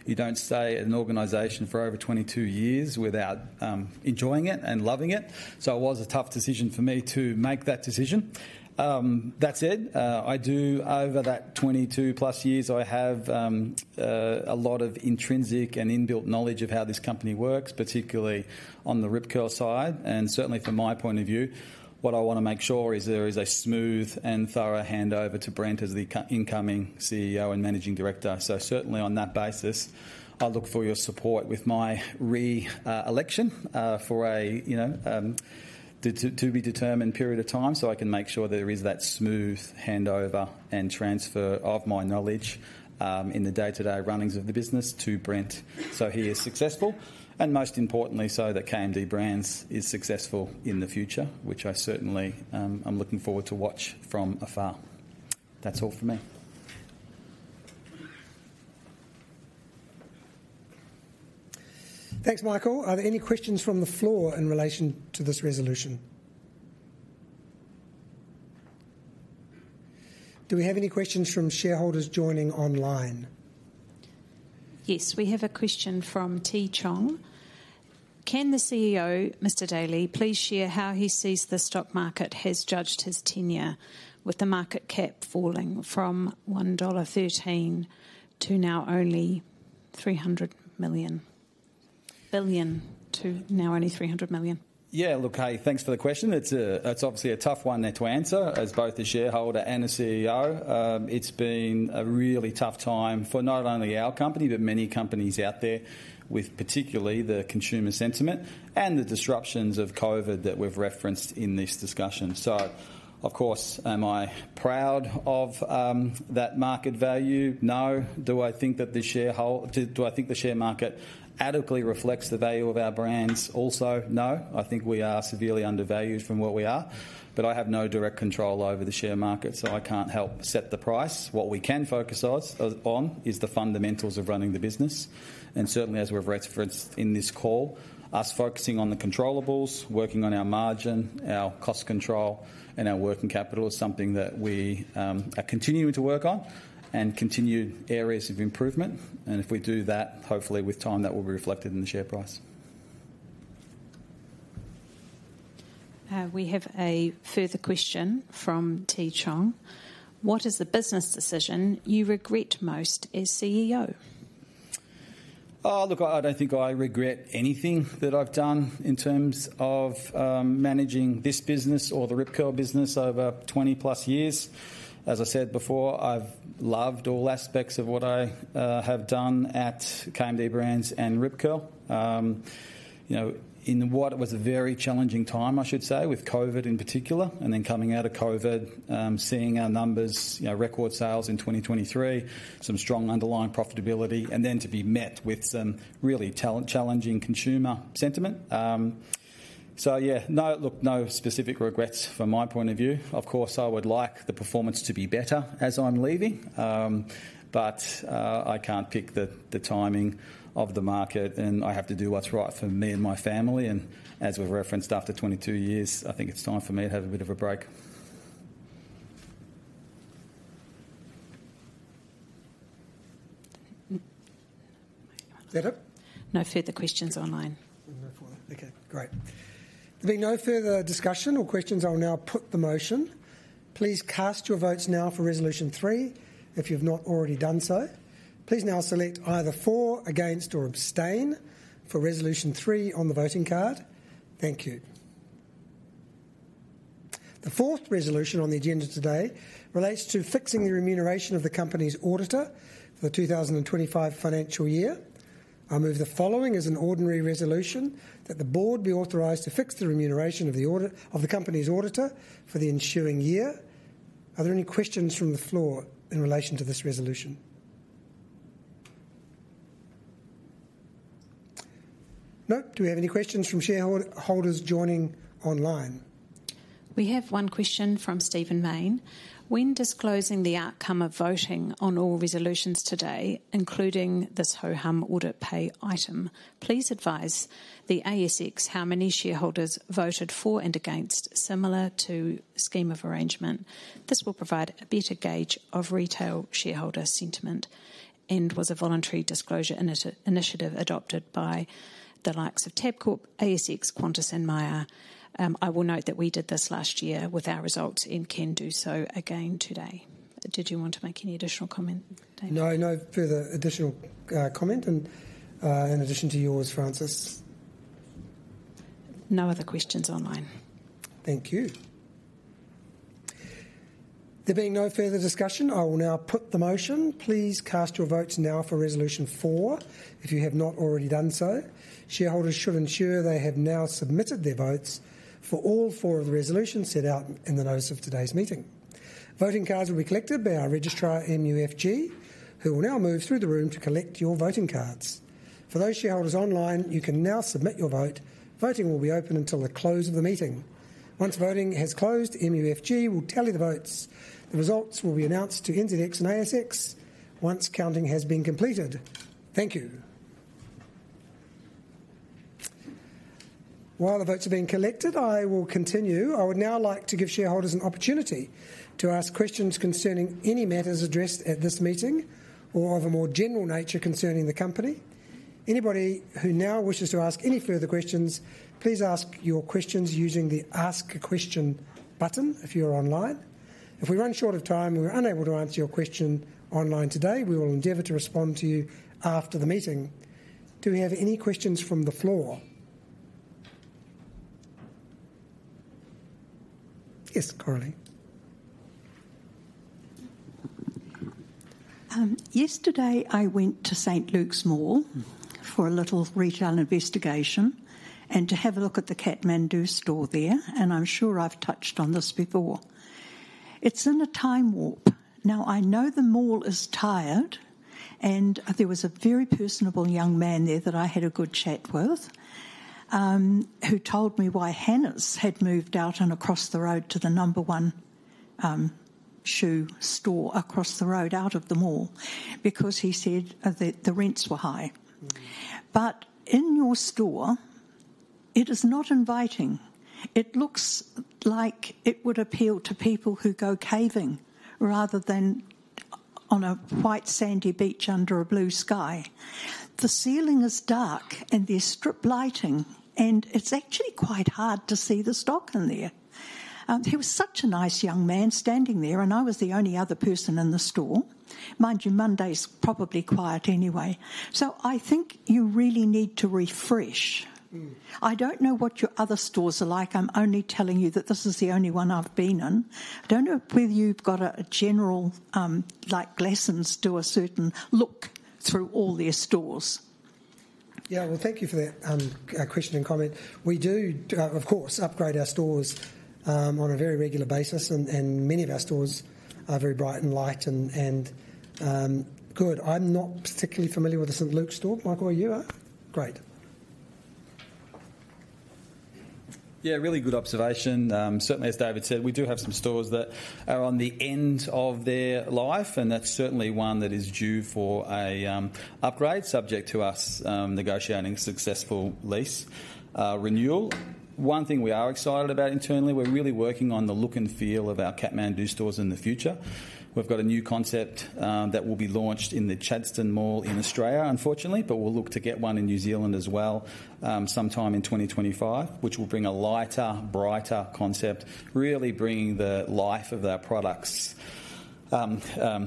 You don't stay at an organization for over 22 years without enjoying it and loving it. So, it was a tough decision for me to make that decision. That said, I do, over that 22-plus years, I have a lot of intrinsic and inbuilt knowledge of how this company works, particularly on the Rip Curl side, and certainly, from my point of view, what I want to make sure is there is a smooth and thorough handover to Brent as the incoming CEO and Managing Director, so certainly on that basis, I look for your support with my re-election for a to-be-determined period of time so I can make sure there is that smooth handover and transfer of my knowledge in the day-to-day runnings of the business to Brent so he is successful, and most importantly, so that KMD Brands is successful in the future, which I certainly am looking forward to watch from afar. That's all for me. Thanks, Michael. Are there any questions from the floor in relation to this resolution? Do we have any questions from shareholders joining online? Yes, we have a question from T. Chong. Can the CEO, Mr. Daly, please share how he sees the stock market has judged his tenure with the market cap falling from NZD 1.13 billion to now only NZD 300 million? Billion to now only NZD 300 million? Yeah, look, hey, thanks for the question. It's obviously a tough one to answer as both a shareholder and a CEO. It's been a really tough time for not only our company but many companies out there, particularly the consumer sentiment and the disruptions of COVID that we've referenced in this discussion. So, of course, am I proud of that market value? No. Do I think that the shareholder, do I think the share market adequately reflects the value of our brands? Also, no. I think we are severely undervalued from what we are, but I have no direct control over the share market, so I can't help set the price. What we can focus on is the fundamentals of running the business. And certainly, as we've referenced in this call, us focusing on the controllables, working on our margin, our cost control, and our working capital, is something that we are continuing to work on and continued areas of improvement. And if we do that, hopefully with time, that will be reflected in the share price. We have a further question from T. Chong. What is the business decision you regret most as CEO? Look, I don't think I regret anything that I've done in terms of managing this business or the Rip Curl business over 20-plus years. As I said before, I've loved all aspects of what I have done at KMD Brands and Rip Curl. In what was a very challenging time, I should say, with COVID in particular, and then coming out of COVID, seeing our numbers, record sales in 2023, some strong underlying profitability, and then to be met with some really challenging consumer sentiment. So, yeah, no, look, no specific regrets from my point of view. Of course, I would like the performance to be better as I'm leaving, but I can't pick the timing of the market, and I have to do what's right for me and my family. And as we've referenced, after 22 years, I think it's time for me to have a bit of a break. Is that it? No further questions online. No further. Okay, great. There being no further discussion or questions, I will now put the motion. Please cast your votes now for Resolution three if you have not already done so. Please now select either for, against, or abstain for Resolution 3 on the voting card. Thank you. The fourth resolution on the agenda today relates to fixing the remuneration of the company's auditor for the 2025 financial year. I move the following as an ordinary resolution: that the board be authorized to fix the remuneration of the company's auditor for the ensuing year. Are there any questions from the floor in relation to this resolution? Nope. Do we have any questions from shareholders joining online? We have one question from Stephen Mayne. When disclosing the outcome of voting on all resolutions today, including this ho-hum audit pay item, please advise the ASX how many shareholders voted for and against similar to scheme of arrangement. This will provide a better gauge of retail shareholder sentiment and was a voluntary disclosure initiative adopted by the likes of Tabcorp, ASX, Qantas and Myer. I will note that we did this last year with our results and can do so again today. Did you want to make any additional comment? No, no further additional comment in addition to yours, Frances. No other questions online. Thank you. There being no further discussion, I will now put the motion. Please cast your votes now for Resolution four if you have not already done so. Shareholders should ensure they have now submitted their votes for all four of the resolutions set out in the notice of today's meeting. Voting cards will be collected by our registrar, MUFG, who will now move through the room to collect your voting cards. For those shareholders online, you can now submit your vote. Voting will be open until the close of the meeting. Once voting has closed, MUFG will tally the votes. The results will be announced to NZX and ASX once counting has been completed. Thank you. While the votes are being collected, I will continue. I would now like to give shareholders an opportunity to ask questions concerning any matters addressed at this meeting or of a more general nature concerning the company. Anybody who now wishes to ask any further questions, please ask your questions using the Ask a Question button if you're online. If we run short of time and we're unable to answer your question online today, we will endeavor to respond to you after the meeting. Do we have any questions from the floor? Yes, Coraline. Yesterday, I went to St. St Lukes for a little retail investigation and to have a look at the Kathmandu store there, and I'm sure I've touched on this before. It's in a time warp. Now, I know the mall is tired, and there was a very personable young man there that I had a good chat with who told me why Hannahs had moved out and across the road to the Number One Shoes store across the road out of the mall because he said that the rents were high. But in your store, it is not inviting. It looks like it would appeal to people who go caving rather than on a white sandy beach under a blue sky. The ceiling is dark, and there's strip lighting, and it's actually quite hard to see the stock in there. There was such a nice young man standing there, and I was the only other person in the store. Mind you, Monday's probably quiet anyway. So, I think you really need to refresh. I don't know what your other stores are like. I'm only telling you that this is the only one I've been in. I don't know whether you've got a general like lessons to a certain look through all their stores. Yeah, well, thank you for that question and comment. We do, of course, upgrade our stores on a very regular basis, and many of our stores are very bright and light and good. I'm not particularly familiar with the St Lukes store. Michael, are you? Great. Yeah, really good observation. Certainly, as David said, we do have some stores that are on the end of their life, and that's certainly one that is due for an upgrade, subject to us negotiating successful lease renewal. One thing we are excited about internally, we're really working on the look and feel of our Kathmandu stores in the future. We've got a new concept that will be launched in the Chadstone Mall in Australia, unfortunately, but we'll look to get one in New Zealand as well sometime in 2025, which will bring a lighter, brighter concept, really bringing the life of our products to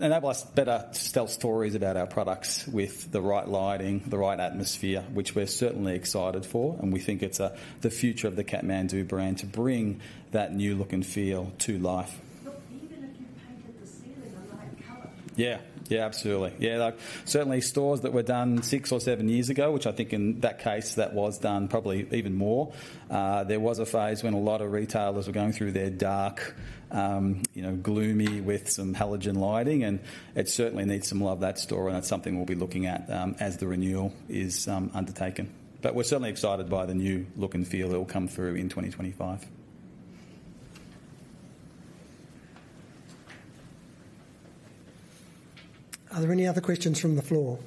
enable us better to tell stories about our products with the right lighting, the right atmosphere, which we're certainly excited for, and we think it's the future of the Kathmandu brand to bring that new look and feel to life. Look, even if you painted the ceiling a light color. Yeah, yeah, absolutely. Yeah, certainly stores that were done six or seven years ago, which I think in that case that was done probably even more, there was a phase when a lot of retailers were going through their dark, gloomy with some halogen lighting, and it certainly needs some love, that store, and that's something we'll be looking at as the renewal is undertaken. But we're certainly excited by the new look and feel that will come through in 2025. Are there any other questions from the floor?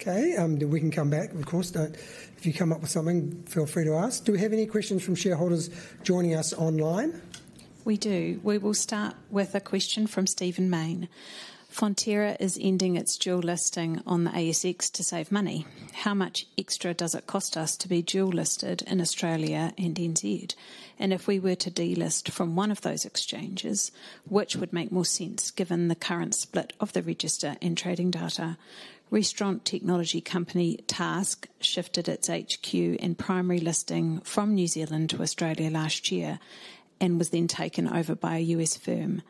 Okay, we can come back, of course. If you come up with something, feel free to ask. Do we have any questions from shareholders joining us online? We do. We will start with a question from Stephen Mayne. Fonterra is ending its dual listing on the ASX to save money. How much extra does it cost us to be dual listed in Australia and N.Z.? And if we were to delist from one of those exchanges, which would make more sense given the current split of the register and trading data? Restaurant technology company Task shifted its HQ and primary listing from New Zealand to Australia last year and was then taken over by a U.S. firm.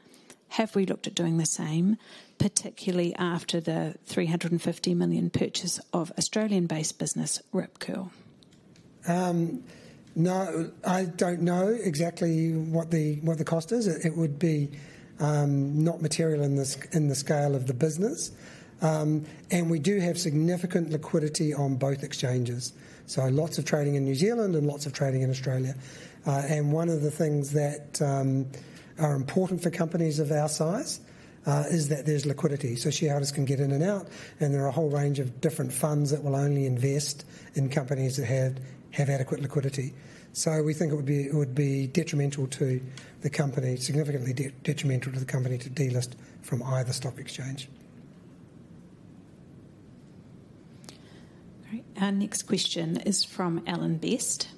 Have we looked at doing the same, particularly after the 350 million purchase of Australian-based business Rip Curl? No, I don't know exactly what the cost is. It would be not material in the scale of the business. And we do have significant liquidity on both exchanges. So, lots of trading in New Zealand and lots of trading in Australia. And one of the things that are important for companies of our size is that there's liquidity. So, shareholders can get in and out, and there are a whole range of different funds that will only invest in companies that have adequate liquidity. So, we think it would be detrimental to the company, significantly detrimental to the company, to delist from either stock exchange. Great. Our next question is from Alan Best.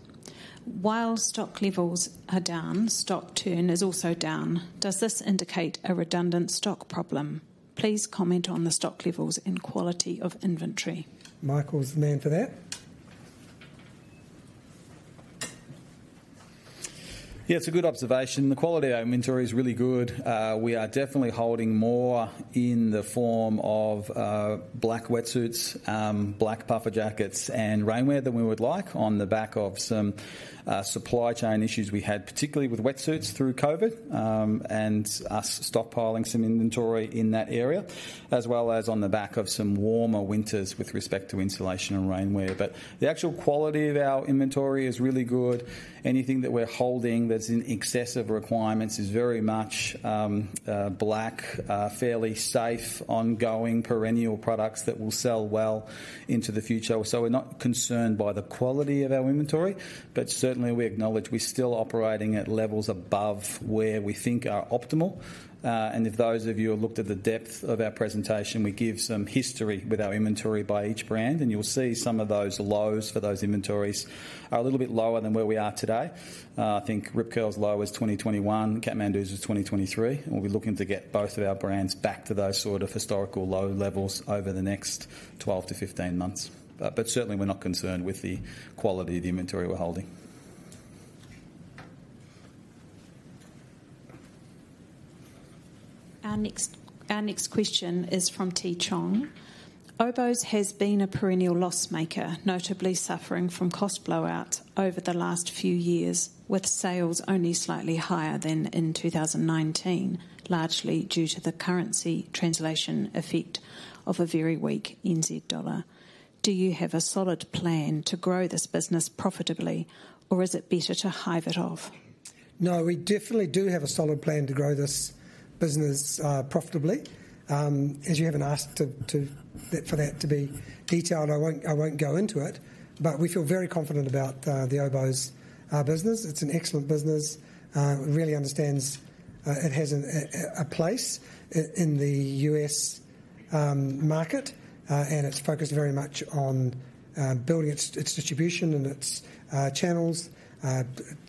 While stock levels are down, stock turn is also down. Does this indicate a redundant stock problem? Please comment on the stock levels and quality of inventory. Michael's the man for that. Yeah, it's a good observation. The quality of our inventory is really good. We are definitely holding more in the form of black wetsuits, black puffer jackets, and rainwear than we would like on the back of some supply chain issues we had, particularly with wetsuits through COVID and us stockpiling some inventory in that area, as well as on the back of some warmer winters with respect to insulation and rainwear. But the actual quality of our inventory is really good. Anything that we're holding that's in excess of requirements is very much black, fairly safe, ongoing perennial products that will sell well into the future. So, we're not concerned by the quality of our inventory, but certainly we acknowledge we're still operating at levels above where we think are optimal. And if those of you have looked at the depth of our presentation, we give some history with our inventory by each brand, and you'll see some of those lows for those inventories are a little bit lower than where we are today. I think Rip Curl's low was 2021, Kathmandu's was 2023, and we'll be looking to get both of our brands back to those sort of historical low levels over the next 12-15 months. But certainly, we're not concerned with the quality of the inventory we're holding. Our next question is from T. Chong. Oboz has been a perennial loss maker, notably suffering from cost blowout over the last few years, with sales only slightly higher than in 2019, largely due to the currency translation effect of a very weak NZ dollar. Do you have a solid plan to grow this business profitably, or is it better to hive it off? No, we definitely do have a solid plan to grow this business profitably. As you haven't asked for that to be detailed, I won't go into it, but we feel very confident about the Oboz business. It's an excellent business. It really understands it has a place in the U.S. market, and it's focused very much on building its distribution and its channels,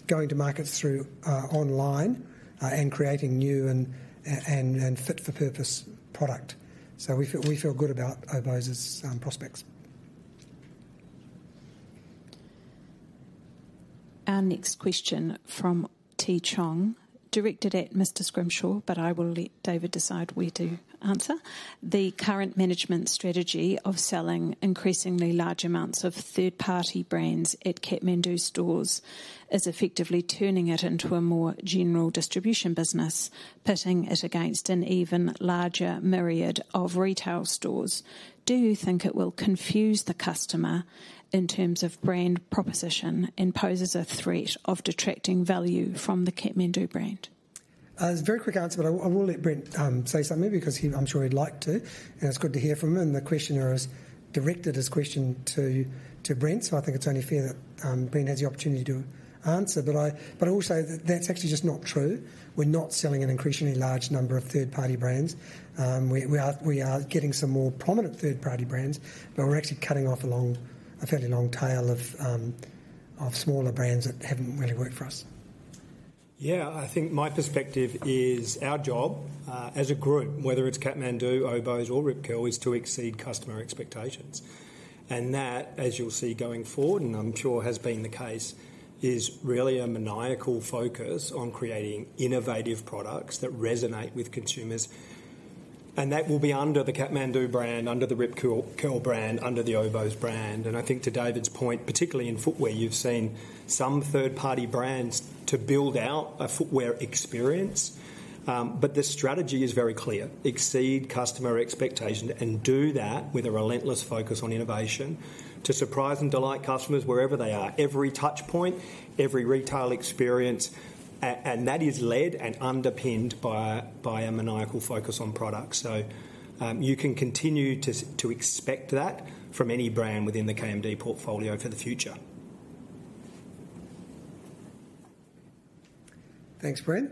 going to markets through online and creating new and fit-for-purpose product. So, we feel good about Oboz's prospects. Our next question from T. Chong, directed at Mr. Scrimshaw, but I will let David decide where to answer. The current management strategy of selling increasingly large amounts of third-party brands at Kathmandu stores is effectively turning it into a more general distribution business, putting it against an even larger myriad of retail stores. Do you think it will confuse the customer in terms of brand proposition and poses a threat of detracting value from the Kathmandu brand? It's a very quick answer, but I will let Brent say something because I'm sure he'd like to. It's good to hear from him, and the questioner has directed his question to Brent, so I think it's only fair that Brent has the opportunity to answer. But also, that's actually just not true. We're not selling an increasingly large number of third-party brands. We are getting some more prominent third-party brands, but we're actually cutting off a fairly long tail of smaller brands that haven't really worked for us. Yeah, I think my perspective is our job as a group, whether it's Kathmandu, Oboz, or Rip Curl, is to exceed customer expectations. And that, as you'll see going forward, and I'm sure has been the case, is really a maniacal focus on creating innovative products that resonate with consumers. And that will be under the Kathmandu brand, under the Rip Curl brand, under the Oboz brand. And I think to David's point, particularly in footwear, you've seen some third-party brands build out a footwear experience, but the strategy is very clear: exceed customer expectations and do that with a relentless focus on innovation to surprise and delight customers wherever they are, every touchpoint, every retail experience. And that is led and underpinned by a maniacal focus on products. So, you can continue to expect that from any brand within the KMD portfolio for the future. Thanks, Brent.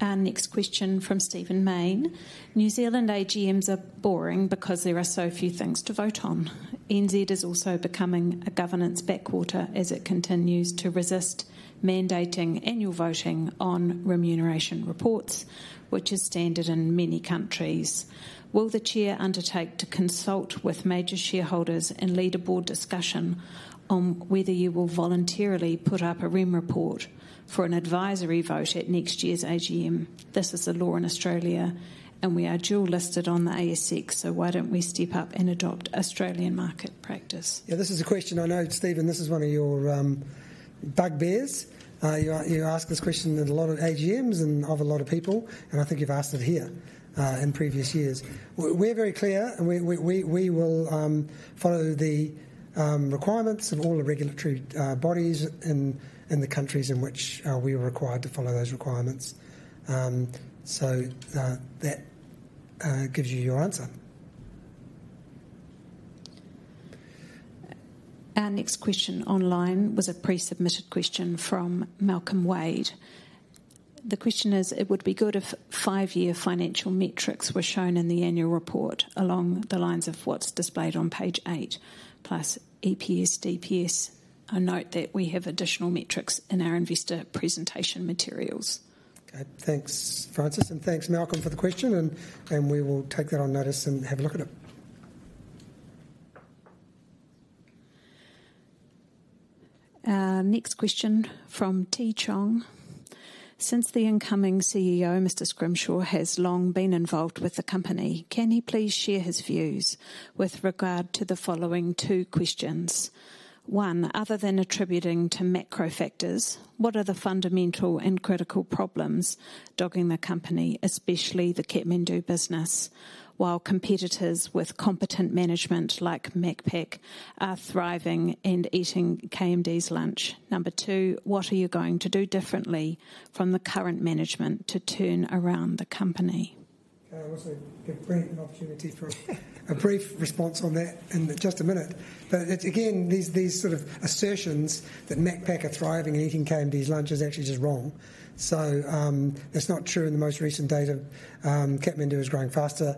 Our next question from Stephen Mayne. New Zealand AGMs are boring because there are so few things to vote on. NZ is also becoming a governance backwater as it continues to resist mandating annual voting on remuneration reports, which is standard in many countries. Will the chair undertake to consult with major shareholders and lead a board discussion on whether you will voluntarily put up a REM report for an advisory vote at next year's AGM? This is the law in Australia, and we are dual listed on the ASX, so why don't we step up and adopt Australian market practice? Yeah, this is a question I know, Stephen, this is one of your bugbears. You ask this question at a lot of AGMs and of a lot of people, and I think you've asked it here in previous years. We're very clear, and we will follow the requirements of all the regulatory bodies in the countries in which we are required to follow those requirements. So, that gives you your answer. Our next question online was a pre-submitted question from Malcolm Wade. The question is, it would be good if five-year financial metrics were shown in the annual report along the lines of what's displayed on page eight, plus EPS, DPS. I note that we have additional metrics in our investor presentation materials. Thanks, Frances, and thanks, Malcolm, for the question, and we will take that on notice and have a look at it. Our next question from T. Chong. Since the incoming CEO, Mr. Scrimshaw, has long been involved with the company, can he please share his views with regard to the following two questions? One, other than attributing to macro factors, what are the fundamental and critical problems dogging the company, especially the Kathmandu business, while competitors with competent management like Macpac are thriving and eating KMD's lunch? Number two, what are you going to do differently from the current management to turn around the company? I want to give Brent an opportunity for a brief response on that in just a minute. But again, these sort of assertions that Macpac are thriving and eating KMD's lunch is actually just wrong. So, that's not true in the most recent data. Kathmandu is growing faster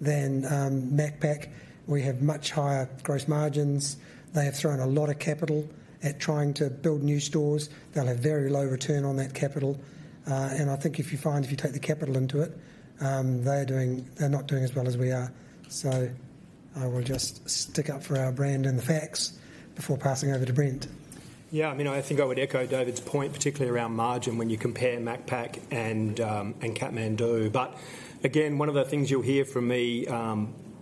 than Macpac. We have much higher gross margins. They have thrown a lot of capital at trying to build new stores. They'll have very low return on that capital. And I think if you find, if you take the capital into it, they're not doing as well as we are. I will just stick up for our brand and the facts before passing over to Brent. Yeah, I mean, I think I would echo David's point, particularly around margin when you compare Macpac and Kathmandu. But again, one of the things you'll hear from me,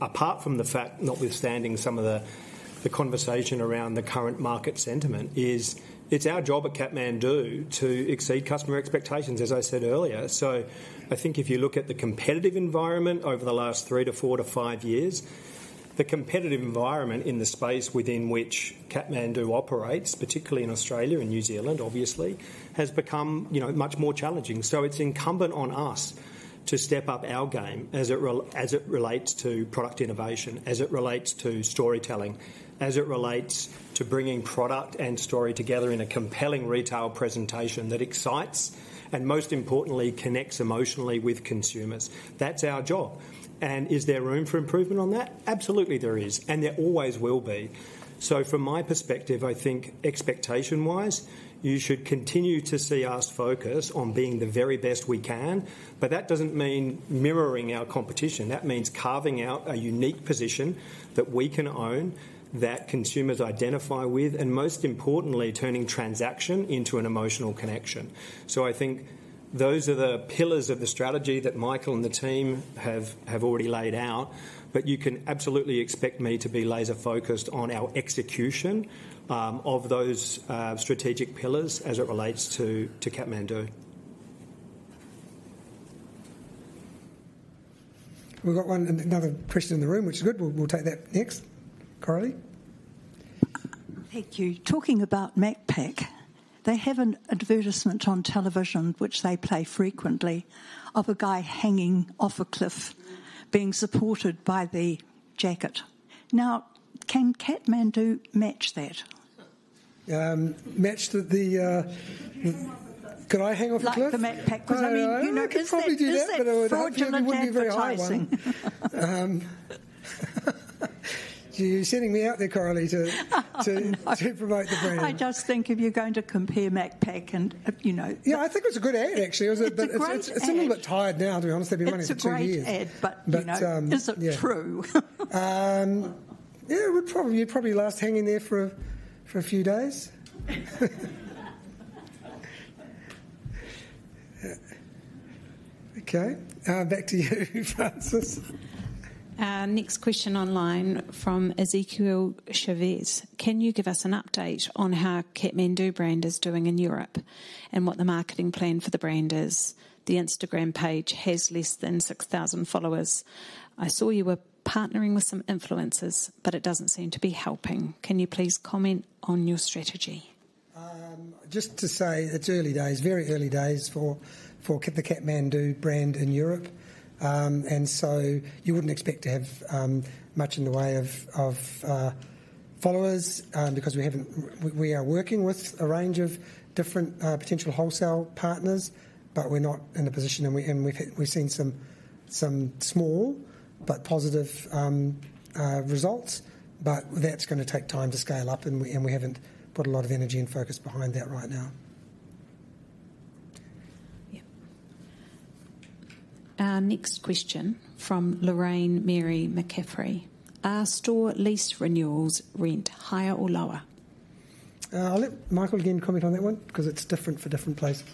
apart from the fact, notwithstanding some of the conversation around the current market sentiment, is it's our job at Kathmandu to exceed customer expectations, as I said earlier. So, I think if you look at the competitive environment over the last three to four to five years, the competitive environment in the space within which Kathmandu operates, particularly in Australia and New Zealand, obviously, has become much more challenging. So, it's incumbent on us to step up our game as it relates to product innovation, as it relates to storytelling, as it relates to bringing product and story together in a compelling retail presentation that excites and, most importantly, connects emotionally with consumers. That's our job. And is there room for improvement on that? Absolutely, there is, and there always will be. So, from my perspective, I think expectation-wise, you should continue to see us focus on being the very best we can, but that doesn't mean mirroring our competition. That means carving out a unique position that we can own, that consumers identify with, and most importantly, turning transaction into an emotional connection. So, I think those are the pillars of the strategy that Michael and the team have already laid out, but you can absolutely expect me to be laser-focused on our execution of those strategic pillars as it relates to Kathmandu. We've got another question in the room, which is good. We'll take that next. Coraline. Thank you. Talking about Macpac, they have an advertisement on television, which they play frequently, of a guy hanging off a cliff, being supported by the jacket. Now, can Kathmandu match that? Match the... Could I hang off a cliff? Like the Macpac? Because I mean, you know, because Kathmandu would be very lightweight. You're setting me up there, Coraline, to promote the brand. I just think if you're going to compare Macpac and... Yeah, I think it was a good ad, actually. It's a little bit tired now, to be honest. It's a great ad, but is it true? Yeah, you'd probably last hanging there for a few days. Okay, back to you, Frances. Our next question online from Ezekiel Chavez. Can you give us an update on how Kathmandu brand is doing in Europe and what the marketing plan for the brand is? The Instagram page has less than 6,000 followers. I saw you were partnering with some influencers, but it doesn't seem to be helping. Can you please comment on your strategy? Just to say, it's early days, very early days for the Kathmandu brand in Europe. And so, you wouldn't expect to have much in the way of followers because we are working with a range of different potential wholesale partners, but we're not in a position, and we've seen some small but positive results. But that's going to take time to scale up, and we haven't put a lot of energy and focus behind that right now. Our next question from Lorraine Mary McCaffrey. Are store lease renewals rent higher or lower? I'll let Michael again comment on that one because it's different for different places.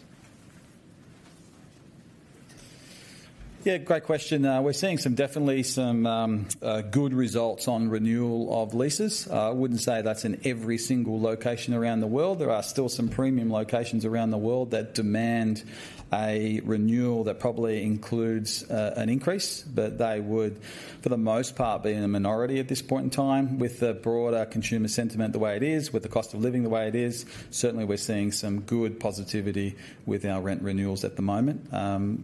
Yeah, great question. We're seeing definitely some good results on renewal of leases. I wouldn't say that's in every single location around the world. There are still some premium locations around the world that demand a renewal that probably includes an increase, but they would, for the most part, be in a minority at this point in time. With the broader consumer sentiment the way it is, with the cost of living the way it is, certainly we're seeing some good positivity with our rent renewals at the moment.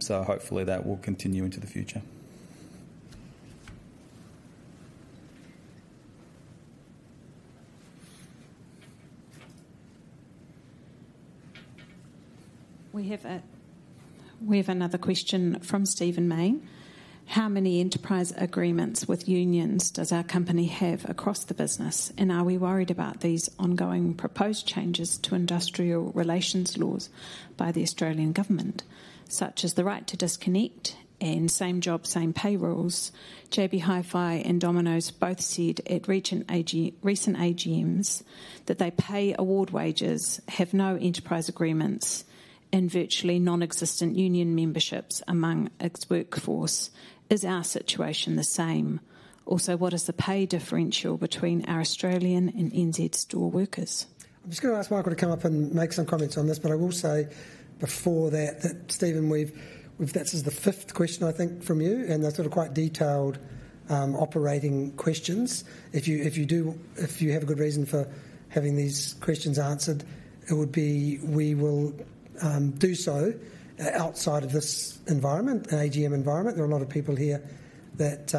So, hopefully, that will continue into the future. We have another question from Stephen Mayne. How many enterprise agreements with unions does our company have across the business, and are we worried about these ongoing proposed changes to industrial relations laws by the Australian government, such as the right to disconnect and same job, same pay rules? JB Hi-Fi and Domino's both said at recent AGMs that they pay award wages, have no enterprise agreements, and virtually non-existent union memberships among its workforce. Is our situation the same? Also, what is the pay differential between our Australian and NZ store workers? I'm just going to ask Michael to come up and make some comments on this, but I will say before that, Stephen, this is the fifth question, I think, from you, and they're sort of quite detailed operating questions. If you have a good reason for having these questions answered, it would be we will do so outside of this environment, an AGM environment. There are a lot of people here that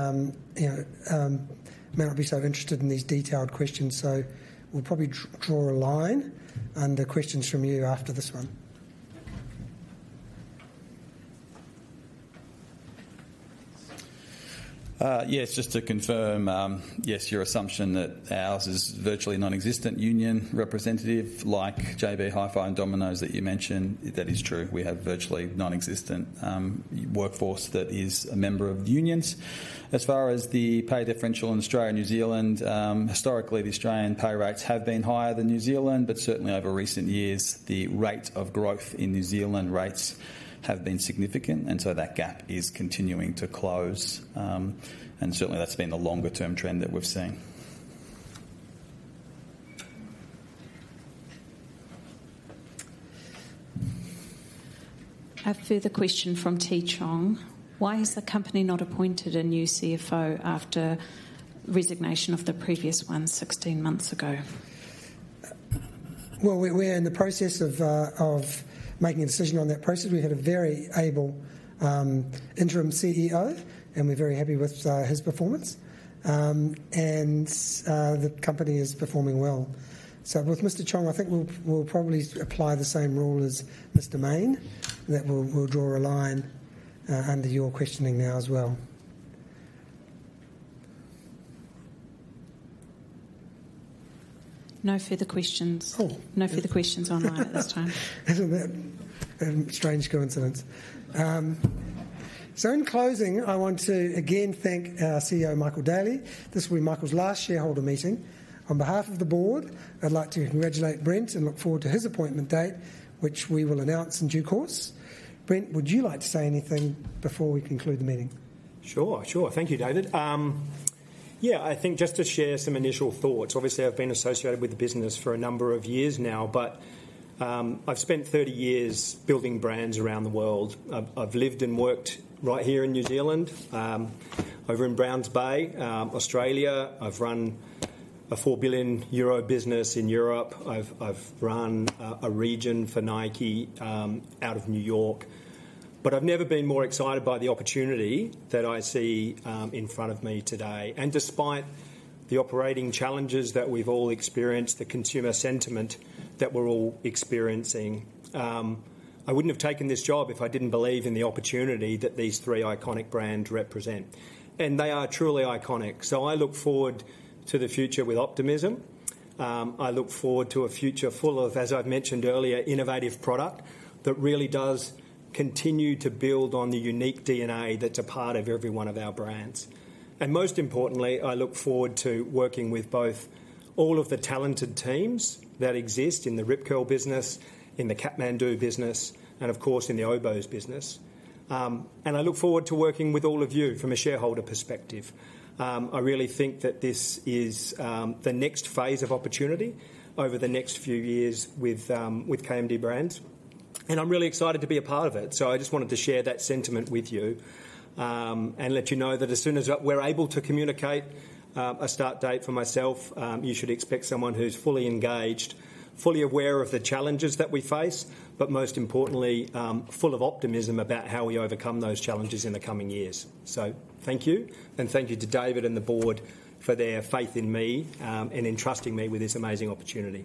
may not be so interested in these detailed questions, so we'll probably draw a line under questions from you after this one. Yes, just to confirm, yes, your assumption that ours is virtually non-existent union representative, like JB Hi-Fi and Domino's that you mentioned, that is true. We have virtually non-existent workforce that is a member of the unions. As far as the pay differential in Australia and New Zealand, historically, the Australian pay rates have been higher than New Zealand, but certainly over recent years, the rate of growth in New Zealand rates have been significant, and so that gap is continuing to close. And certainly, that's been the longer-term trend that we've seen. A further question from T. Chong. Why has the company not appointed a new CFO after resignation of the previous one 16 months ago? Well, we're in the process of making a decision on that process. We had a very able interim CEO, and we're very happy with his performance, and the company is performing well. So, with Mr. Chong, I think we'll probably apply the same rule as Mr. Mayne, that we'll draw a line under your questioning now as well. No further questions. No further questions online at this time. Strange coincidence. So, in closing, I want to again thank our CEO, Michael Daly. This will be Michael's last shareholder meeting. On behalf of the board, I'd like to congratulate Brent and look forward to his appointment date, which we will announce in due course. Brent, would you like to say anything before we conclude the meeting? Sure, sure. Thank you, David. Yeah, I think just to share some initial thoughts. Obviously, I've been associated with the business for a number of years now, but I've spent 30 years building brands around the world. I've lived and worked right here in New Zealand. I've run Browns Bay, Australia. I've run a 4 billion euro business in Europe. I've run a region for Nike out of New York. But I've never been more excited by the opportunity that I see in front of me today. And despite the operating challenges that we've all experienced, the consumer sentiment that we're all experiencing, I wouldn't have taken this job if I didn't believe in the opportunity that these three iconic brands represent. And they are truly iconic. So, I look forward to the future with optimism. I look forward to a future full of, as I've mentioned earlier, innovative product that really does continue to build on the unique DNA that's a part of every one of our brands. And most importantly, I look forward to working with both all of the talented teams that exist in the Rip Curl business, in the Kathmandu business, and of course, in the Oboz business. And I look forward to working with all of you from a shareholder perspective. I really think that this is the next phase of opportunity over the next few years with KMD Brands. And I'm really excited to be a part of it. I just wanted to share that sentiment with you and let you know that as soon as we're able to communicate a start date for myself, you should expect someone who's fully engaged, fully aware of the challenges that we face, but most importantly, full of optimism about how we overcome those challenges in the coming years. Thank you, and thank you to David and the board for their faith in me and entrusting me with this amazing opportunity.